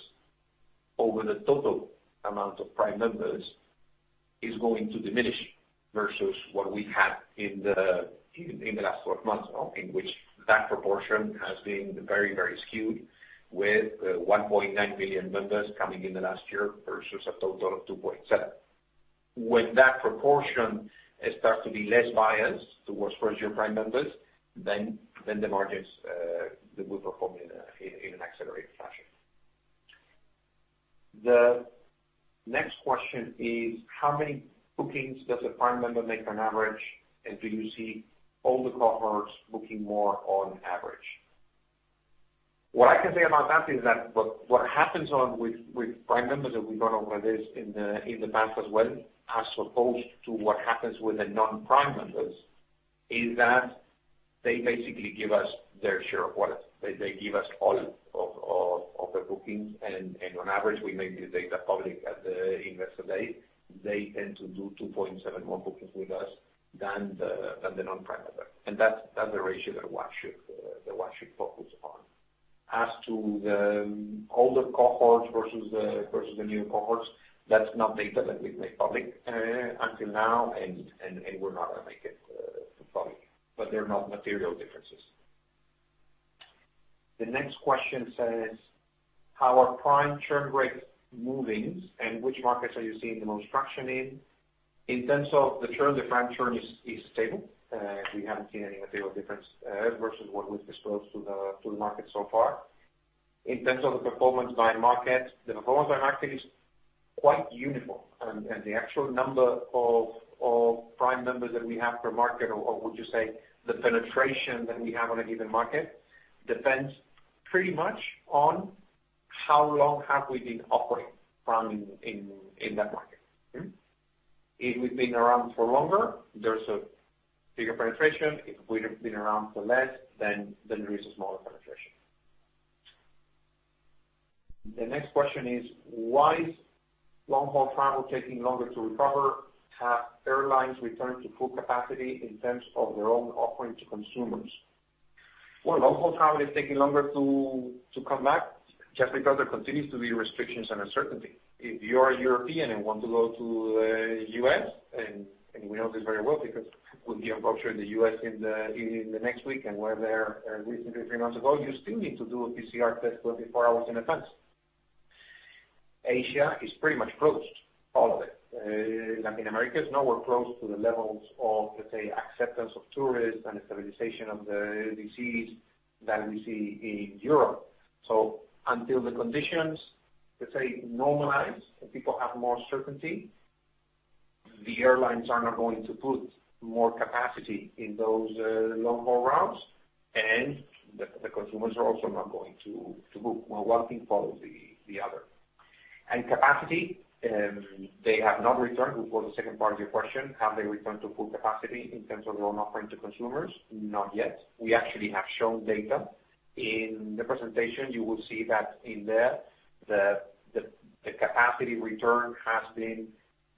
over the total amount of Prime members is going to diminish versus what we had in the last twelve months now, in which that proportion has been very, very skewed with 1.9 million members coming in the last year versus a total of 2.7. When that proportion starts to be less biased towards first-year Prime members, then the margins they will perform in an accelerated fashion. The next question is how many bookings does a Prime member make on average, and do you see all the cohorts booking more on average? What I can say about that is that what happens with Prime members, and we've gone over this in the past as well, as opposed to what happens with the non-Prime members, is that they basically give us their share of wallet. They give us all of the bookings. On average, we made the data public at the Investor Day. They tend to do 2.7 more bookings with us than the non-Prime members. That's the ratio that one should focus upon. As to the older cohorts versus the new cohorts, that's not data that we've made public until now, and we're not gonna make it public. But they're not material differences. The next question says, how are Prime churn rates moving, and which markets are you seeing the most traction in? In terms of the churn, the Prime churn is stable. We haven't seen any material difference versus what we've disclosed to the market so far. In terms of the performance by market, the performance by market is quite uniform. The actual number of Prime members that we have per market, or would you say the penetration that we have on a given market, depends pretty much on how long have we been operating Prime in that market. If we've been around for longer, there's a bigger penetration. If we've been around for less, then there is a smaller penetration. The next question is, why is long-haul travel taking longer to recover? Have airlines returned to full capacity in terms of their own offering to consumers? Well, long-haul travel is taking longer to come back just because there continues to be restrictions and uncertainty. If you are European and want to go to U.S., and we know this very well because we'll be on culture in the U.S. in the next week, and we were there recently, 3 months ago, you still need to do a PCR test 24 hours in advance. Asia is pretty much closed, all of it. Latin America is nowhere close to the levels of, let's say, acceptance of tourists and the stabilization of the disease that we see in Europe. Until the conditions, let's say, normalize and people have more certainty, the airlines are not going to put more capacity in those long-haul routes, and the consumers are also not going to book. One thing follows the other. Capacity, they have not returned. To quote the second part of your question, have they returned to full capacity in terms of their own offering to consumers? Not yet. We actually have shown data. In the presentation, you will see that in there, the capacity return has been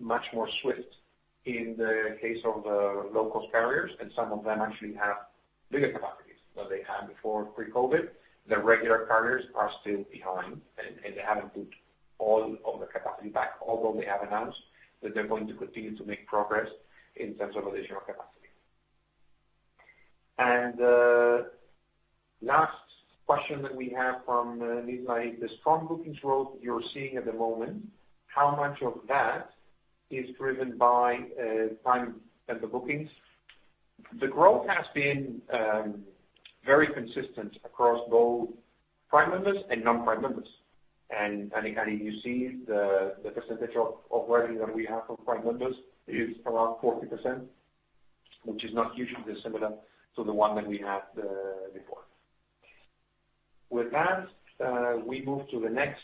much more swift in the case of the low-cost carriers, and some of them actually have bigger capacities than they had before pre-COVID. The regular carriers are still behind, and they haven't put all of the capacity back, although they have announced that they're going to continue to make progress in terms of additional capacity. Last question that we have from is like the strong bookings growth you're seeing at the moment, how much of that is driven by Prime member bookings? The growth has been very consistent across both Prime members and non-Prime members. I think you see the percentage of revenue that we have from Prime members is around 40%, which is not hugely dissimilar to the one that we had before. With that, we move to the next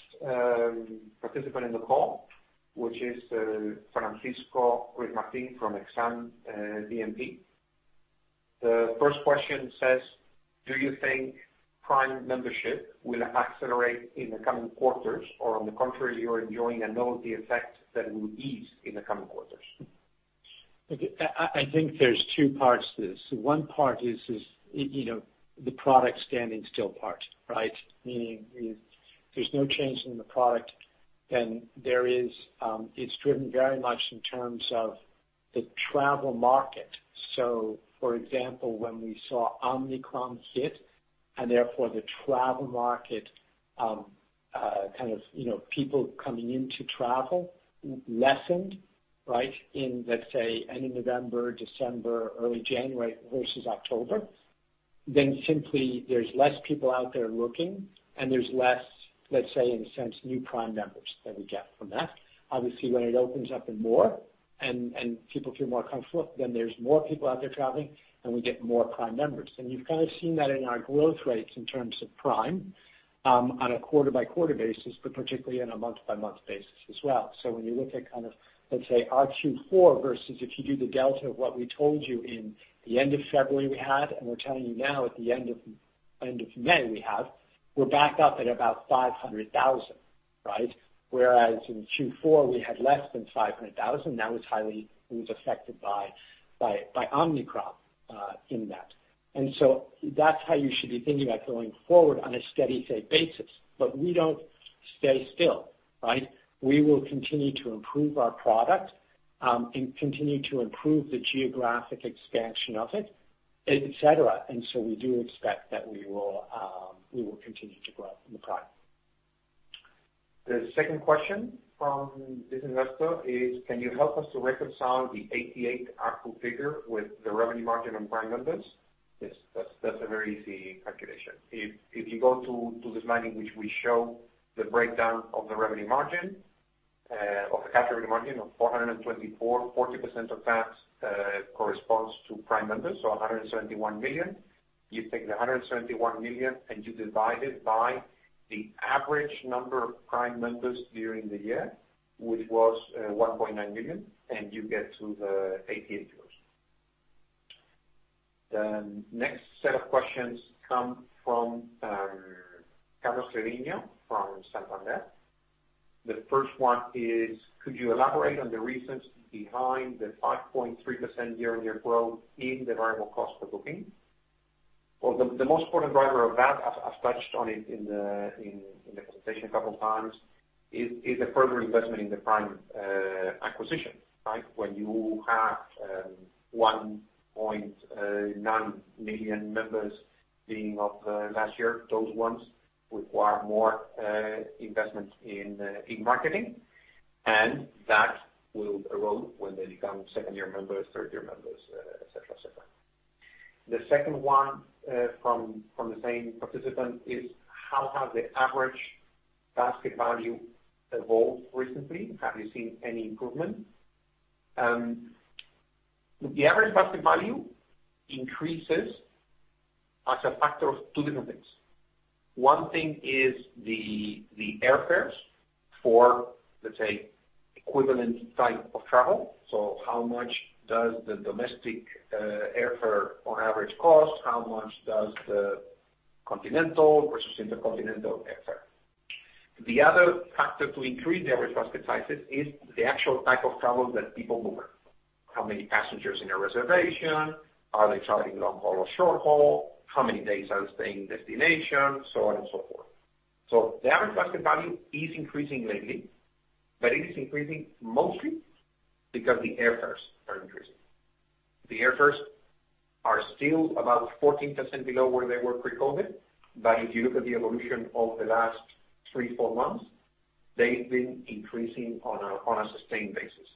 participant in the call, which is Francisco Cruz Martin from Exane BNP Paribas. The first question says, do you think Prime membership will accelerate in the coming quarters? Or on the contrary, you are enjoying a novelty effect that will ease in the coming quarters. I think there's two parts to this. One part is, you know, the product standing still part, right? Meaning if there's no change in the product, then it's driven very much in terms of the travel market. For example, when we saw Omicron hit, and therefore the travel market, kind of, you know, people coming into travel lessened, right? In, let's say end of November, December, early January versus October. Simply there's less people out there looking, and there's less, let's say, in a sense, new Prime members that we get from that. Obviously, when it opens up and more people feel more comfortable, then there's more people out there traveling, and we get more Prime members. You've kind of seen that in our growth rates in terms of Prime, on a quarter-over-quarter basis, but particularly on a month-over-month basis as well. When you look at, let's say, our Q4 versus if you do the delta of what we told you at the end of February we had, and we're telling you now at the end of May we have, we're back up at about 500,000, right? Whereas in Q4 we had less than 500,000. It was affected by Omicron in that. That's how you should be thinking about going forward on a steady state basis. We don't stay still, right? We will continue to improve our product and continue to improve the geographic expansion of it, et cetera. We do expect that we will continue to grow in the Prime. The second question from this investor is, can you help us to reconcile the 88 ARPU figure with the revenue margin on Prime members? Yes, that's a very easy calculation. If you go to the slide in which we show the breakdown of the revenue margin of the cash revenue margin of 424 million, 40% of that corresponds to Prime members. So 171 million. You take the 171 million, and you divide it by the average number of Prime members during the year, which was 1.9 million, and you get to the 88 euros. The next set of questions come from Carlos Gudiño from Santander. The first one is, could you elaborate on the reasons behind the 5.3% year-on-year growth in the variable cost per booking? The most important driver of that, I've touched on it in the presentation a couple of times, is a further investment in the Prime acquisition, right? When you have 1.9 million members being of last year, those ones require more investment in marketing, and that will erode when they become second-year members, third-year members, et cetera, et cetera. The second one from the same participant is, how has the average basket value evolved recently? Have you seen any improvement? The average basket value increases as a factor of two different things. One thing is the airfares for, let's say, equivalent type of travel. So how much does the domestic airfare on average cost? How much does the continental versus intercontinental airfare? The other factor to increase the average basket sizes is the actual type of travel that people book. How many passengers in a reservation? Are they traveling long-haul or short-haul? How many days are they staying in destination? On and so forth. The average basket value is increasing lately, but it is increasing mostly because the airfares are increasing. The airfares are still about 14% below where they were pre-COVID, but if you look at the evolution of the last 3-4 months, they've been increasing on a sustained basis.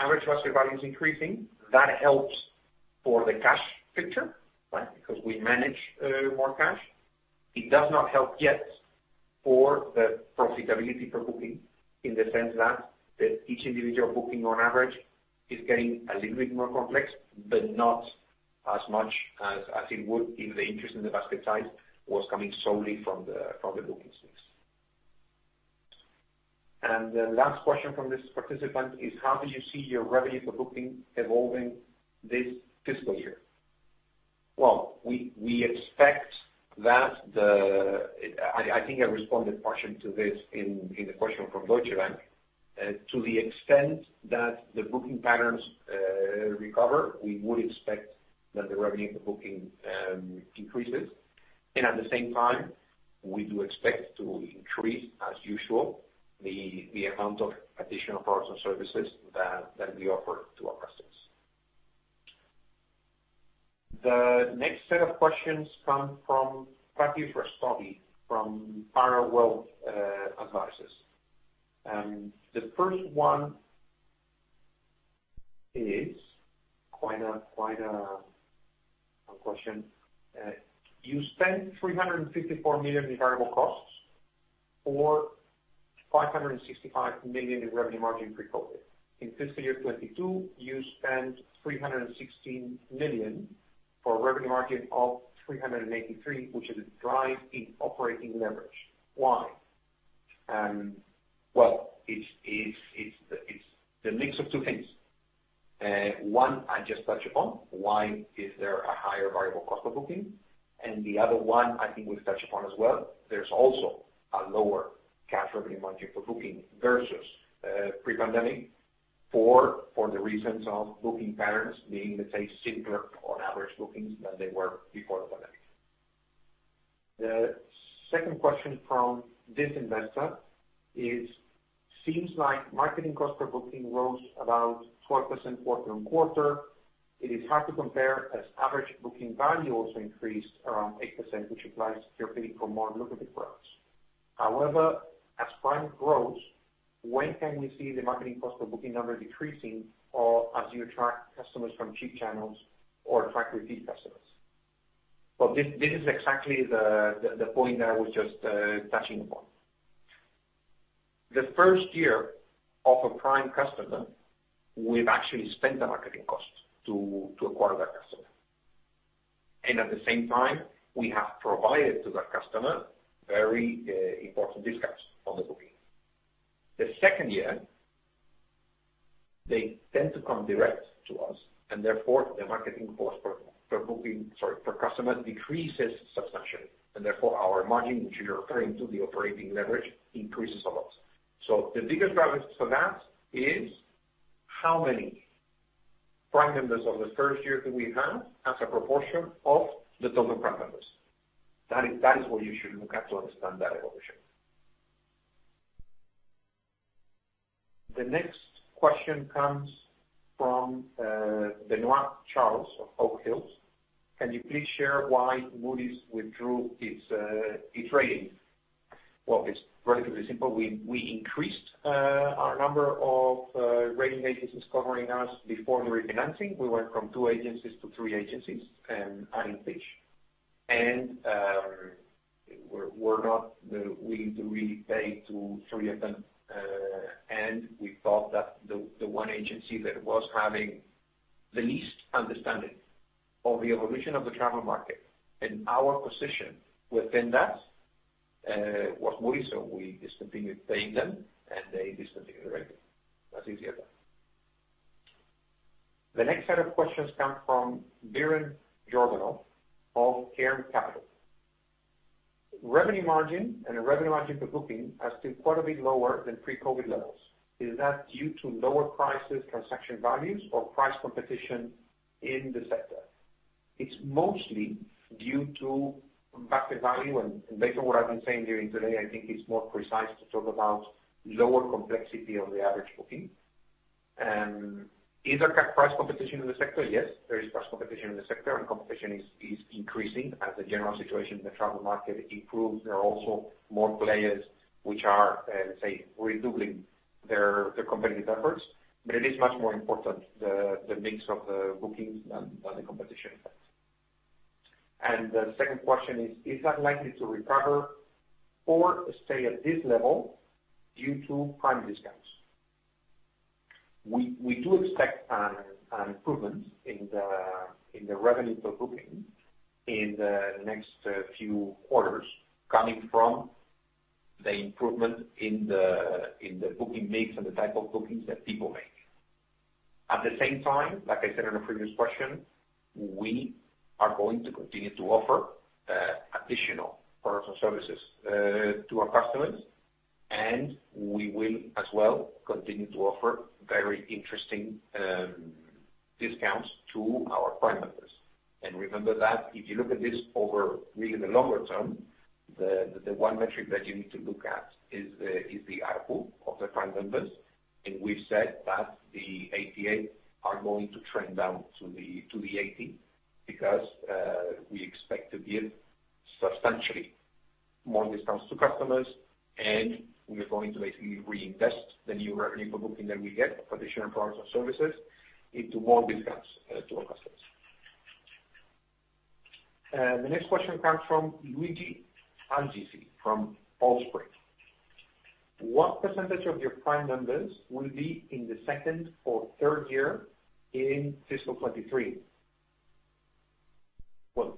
Average basket value is increasing. That helps for the cash picture, right? Because we manage more cash. It does not help yet for the profitability per booking in the sense that that each individual booking on average is getting a little bit more complex, but not as much as it would if the interest in the basket size was coming solely from the booking space. The last question from this participant is, how do you see your revenue per booking evolving this fiscal year? Well, we expect that. I think I responded partially to this in the question from Deutsche Bank. To the extent that the booking patterns recover, we would expect that the revenue per booking increases. At the same time, we do expect to increase, as usual, the amount of additional products and services that we offer to our customers. The next set of questions come from Matthew Rastogi from Barrow Wealth Advisors. The first one is quite a question. You spent 354 million in variable costs for 565 million in revenue margin pre-COVID. In fiscal year 2022, you spent 316 million for a revenue margin of 383 million, which drives operating leverage. Why? Well, it's the mix of two things. One I just touched upon, why is there a higher variable cost of booking? And the other one I think we've touched upon as well, there's also a lower cash revenue margin per booking versus pre-pandemic for the reasons of booking patterns being, let's say, simpler on average bookings than they were before the pandemic. The second question from this investor is, seems like marketing cost per booking rose about 12% quarter-on-quarter. It is hard to compare as average booking value also increased around 8%, which applies typically for more lucrative products. However, as Prime grows, when can we see the marketing cost per booking number decreasing or as you attract customers from cheap channels or attract repeat customers? Well, this is exactly the point that I was just touching upon. The first year of a Prime customer, we've actually spent the marketing costs to acquire that customer. At the same time, we have provided to that customer very important discounts on the booking. The second year, they tend to come direct to us, and therefore, the marketing cost per customer decreases substantially, and therefore our margin, which you're referring to, the operating leverage, increases a lot. The biggest driver for that is how many Prime members of the first year do we have as a proportion of the total Prime members. That is what you should look at to understand that evolution. The next question comes from Benoit Charles of Oak Hill: Can you please share why Moody's withdrew its rating? Well, it's relatively simple. We increased our number of rating agencies covering us before the refinancing. We went from 2 agencies to 3 agencies and adding Fitch. We need to repay to 3 of them. We thought that the one agency that was having the least understanding of the evolution of the travel market and our position within that was Moody's, so we discontinued paying them, and they discontinued the rating. As easy as that. The next set of questions come from Viren Georgiev of Cairn Capital. Revenue margin and the revenue margin per booking are still quite a bit lower than pre-COVID levels. Is that due to lower prices, transaction values or price competition in the sector? It's mostly due to basket value and based on what I've been saying during the day, I think it's more precise to talk about lower complexity of the average booking. Is there price competition in the sector? Yes, there is price competition in the sector, and competition is increasing as the general situation in the travel market improves. There are also more players which are, let's say, redoubling their competitive efforts. It is much more important the mix of the bookings than the competition effects. The second question is: Is that likely to recover or stay at this level due to Prime discounts? We do expect an improvement in the revenue per booking in the next few quarters coming from the improvement in the booking mix and the type of bookings that people make. At the same time, like I said in a previous question, we are going to continue to offer additional products and services to our customers. We will as well continue to offer very interesting discounts to our Prime members. Remember that if you look at this over really the longer term, the one metric that you need to look at is the ARPU of the Prime members. We've said that the ARPU are going to trend down to the 80 because we expect to give substantially more discounts to customers, and we are going to basically reinvest the new revenue per booking that we get for additional products and services into more discounts to our customers. The next question comes from Luigi Angizi from Osprey. What percentage of your Prime members will be in the second or third year in fiscal 2023? Well,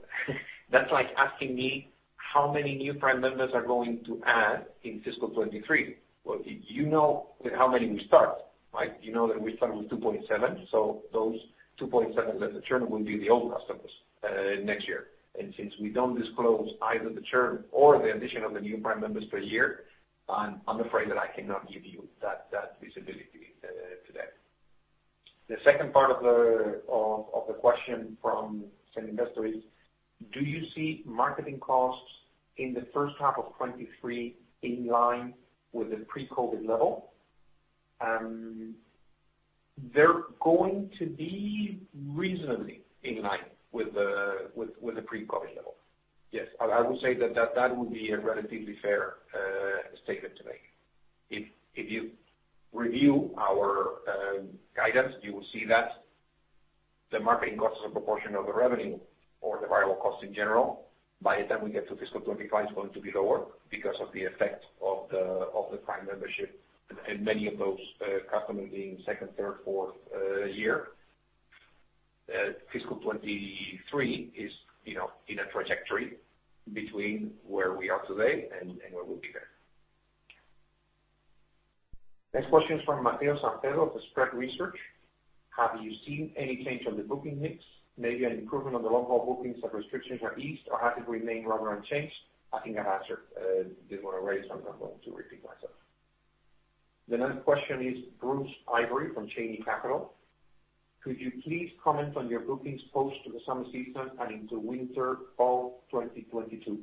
that's like asking me how many new Prime members are going to add in fiscal 2023. Well, you know how many we start, right? You know that we start with 2.7. Those 2.7% that the churn will be the old customers next year. Since we don't disclose either the churn or the addition of the new Prime members per year, I'm afraid that I cannot give you that visibility today. The second part of the question from same investor is: Do you see marketing costs in the first half of 2023 in line with the pre-COVID level? They're going to be reasonably in line with the pre-COVID level. Yes. I would say that would be a relatively fair statement to make. If you review our guidance, you will see that the marketing costs as a proportion of the revenue or the variable cost in general by the time we get to fiscal 25 is going to be lower because of the effect of the Prime membership and many of those customers being second, third, fourth year. Fiscal 23 is, you know, in a trajectory between where we are today and where we'll be then. Next question is from Matteo Santero of Spread Research. Have you seen any change on the booking mix, maybe an improvement on the local bookings as restrictions are eased, or has it remained rather unchanged? I think I've answered this one already, so I'm not going to repeat myself. The next question is Bruce Ivory from Cheyne Capital. Could you please comment on your bookings post the summer season and into winter of 2022?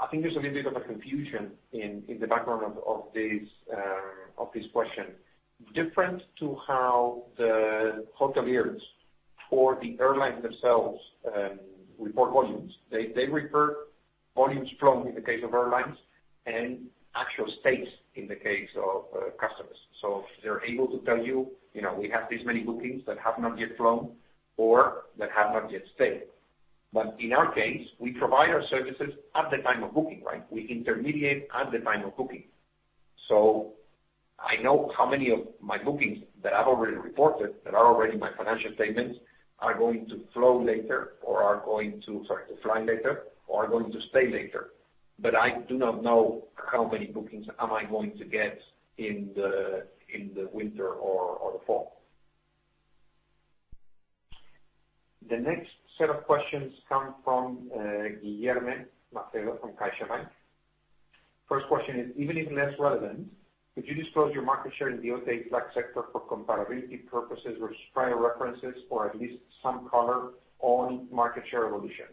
I think there's a little bit of a confusion in the background of this question. Different to how the hoteliers and the airlines themselves report volumes. They refer to volumes flown in the case of airlines and actual stays in the case of hotels. So they're able to tell you know, we have this many bookings that have not yet flown or that have not yet stayed. In our case, we provide our services at the time of booking, right? We intermediate at the time of booking. I know how many of my bookings that I've already reported, that are already in my financial statements, are going to fly later or are going to stay later. I do not know how many bookings am I going to get in the winter or the fall. The next set of questions come from Guilherme Macedo from CaixaBank. First question is, even if less relevant, could you disclose your market share in the OTA flight sector for comparability purposes versus prior references, or at least some color on market share evolution?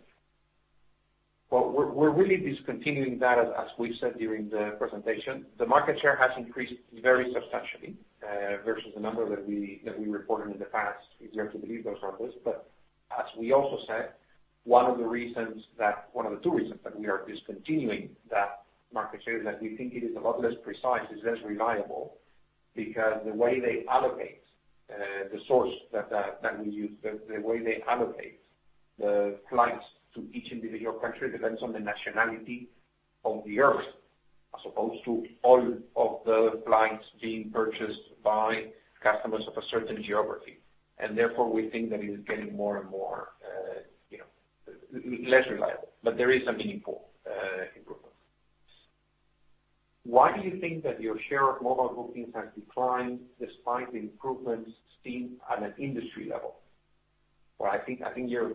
Well, we're really discontinuing that, as we said during the presentation. The market share has increased very substantially versus the number that we reported in the past, if you are to believe those numbers. As we also said, one of the two reasons that we are discontinuing that market share is that we think it is a lot less precise, it's less reliable because the way they allocate the source that we use, the way they allocate the flights to each individual country depends on the nationality of the user, as opposed to all of the flights being purchased by customers of a certain geography. Therefore, we think that it is getting more and more less reliable. There is a meaningful improvement. Why do you think that your share of mobile bookings has declined despite the improvements seen at an industry level? I think you're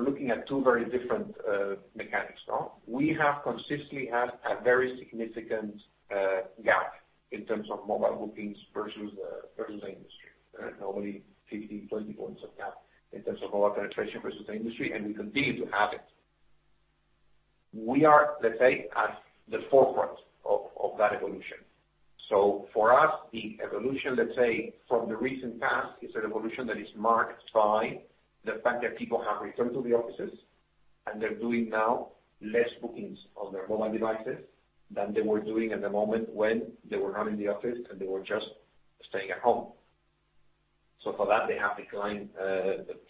looking at two very different mechanics, no? We have consistently had a very significant gap in terms of mobile bookings versus the industry. Normally 15-20 points of gap in terms of mobile penetration versus the industry, and we continue to have it. We are, let's say, at the forefront of that evolution. For us, the evolution, let's say, from the recent past is an evolution that is marked by the fact that people have returned to the offices, and they're doing now less bookings on their mobile devices than they were doing at the moment when they were not in the office and they were just staying at home. For that, they have declined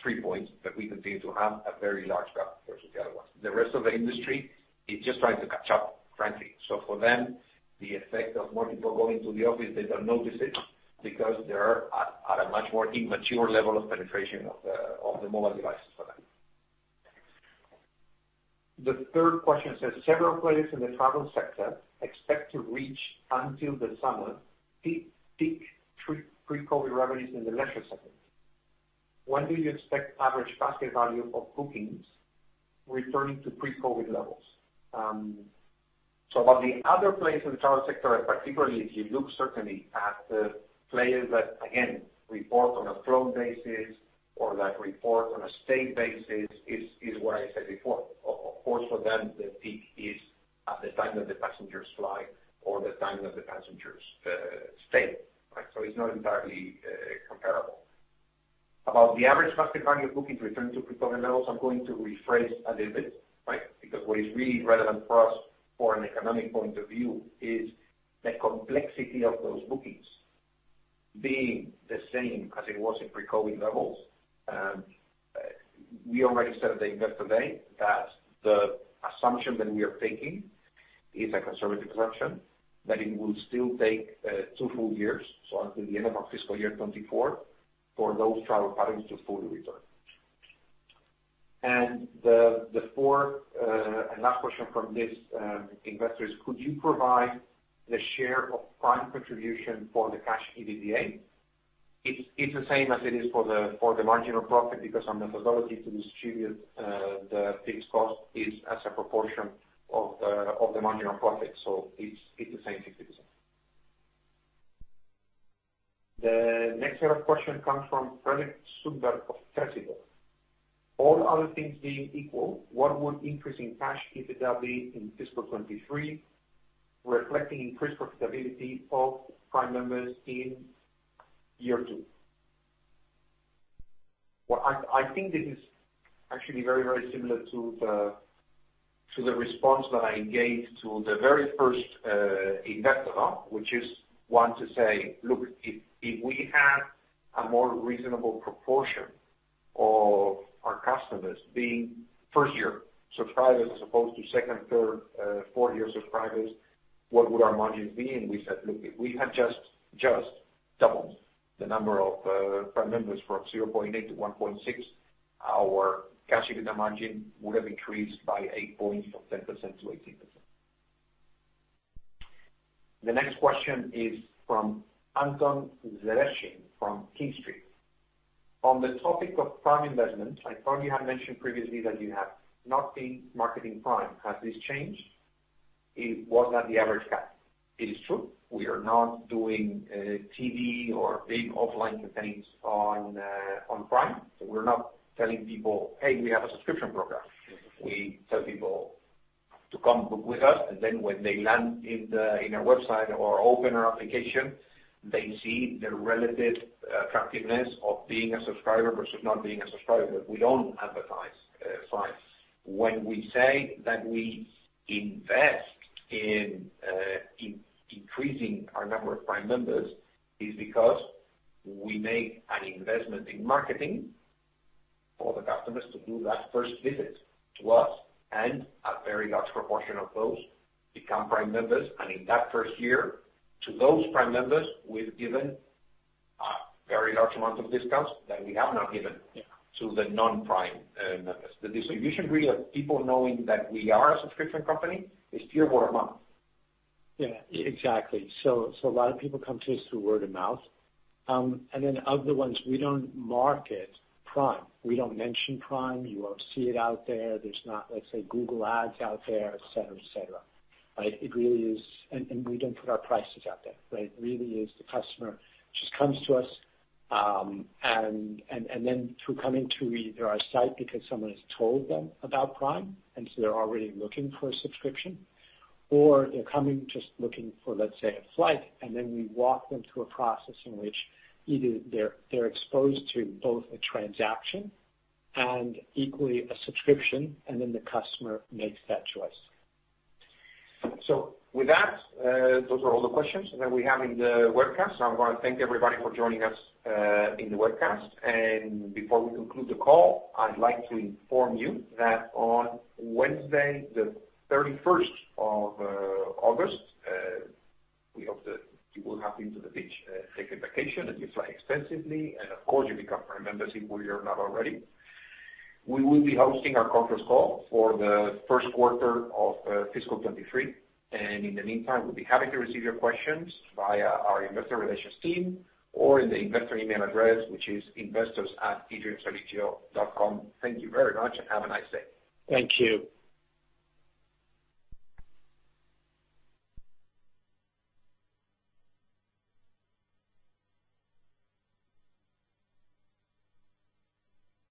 three points, but we continue to have a very large gap versus the other ones. The rest of the industry is just trying to catch up, frankly. For them, the effect of more people going to the office, they don't notice it because they are at a much more immature level of penetration of the mobile devices for them. The third question says, several players in the travel sector expect to reach until the summer peak pre-COVID revenues in the leisure sector. When do you expect average basket value of bookings returning to pre-COVID levels? Of the other players in the travel sector, particularly if you look certainly at the players that again report on a flow basis or that report on a stay basis, is what I said before. Of course for them, the peak is at the time that the passengers fly or the time that the passengers stay, right? It's not entirely comparable. About the average basket value of bookings returning to pre-COVID levels, I'm going to rephrase a little bit, right? Because what is really relevant for us from an economic point of view is the complexity of those bookings being the same as it was in pre-COVID levels. We already said at the Investor Day that the assumption that we are taking is a conservative assumption, that it will still take two full years, so until the end of our fiscal year 2024, for those travel patterns to fully return. The fourth and last question from this investor is could you provide the share of Prime contribution for the cash EBITDA? It's the same as it is for the marginal profit because our methodology to distribute the fixed cost is as a proportion of the marginal profit. It's the same thing. It is the same. The next set of question comes from Fredrik Sundberg of Fresigo. All other things being equal, what would increase in cash EBITDA in fiscal 2023 reflecting increased profitability of Prime members in year two? Well, I think this is actually very, very similar to the response that I gave to the very first investor, which is, I want to say, look, if we have a more reasonable proportion of our customers being first-year subscribers as opposed to second, third, fourth-year subscribers, what would our margins be? We said, look, if we had just doubled the number of Prime members from 0.8 to 1.6, our cash EBITDA margin would have increased by 8 points from 10% to 18%. The next question is from Anton Zaleshin from Keystreet. On the topic of Prime investment, I thought you had mentioned previously that you have not been marketing Prime. Has this changed? It was at the average cap. It is true. We are not doing TV or big offline campaigns on Prime. We're not telling people, "Hey, we have a subscription program." We tell people to come with us, and then when they land in our website or open our application, they see the relative attractiveness of being a subscriber versus not being a subscriber. We don't advertise Prime. When we say that we invest in increasing our number of Prime members, is because we make an investment in marketing for the customers to do that first visit to us, and a very large proportion of those become Prime members. In that first year, to those Prime members, we've given a very large amount of discounts that we have not given. Yeah. to the non-Prime members. The distribution really of people knowing that we are a subscription company is pure word of mouth. Yeah. Exactly. A lot of people come to us through word of mouth. Other ones, we don't market Prime. We don't mention Prime. You won't see it out there. There's not, let's say, Google Ads out there, et cetera, et cetera. Right? It really is. We don't put our prices out there, right? It really is the customer just comes to us, and then through coming to either our site because someone has told them about Prime, so they're already looking for a subscription. They're coming just looking for, let's say, a flight, and then we walk them through a process in which either they're exposed to both a transaction and equally a subscription, and then the customer makes that choice. With that, those are all the questions that we have in the webcast. I wanna thank everybody for joining us in the webcast. Before we conclude the call, I'd like to inform you that on Wednesday, the thirty-first of August, we hope that people have been to the beach, take a vacation, and you fly extensively, and of course, you become Prime members if you're not already. We will be hosting our conference call for the first quarter of fiscal 2023. In the meantime, we'll be happy to receive your questions via our investor relations team or in the investor email address, which is investors@edreamsodigeo.com. Thank you very much, and have a nice day. Thank you.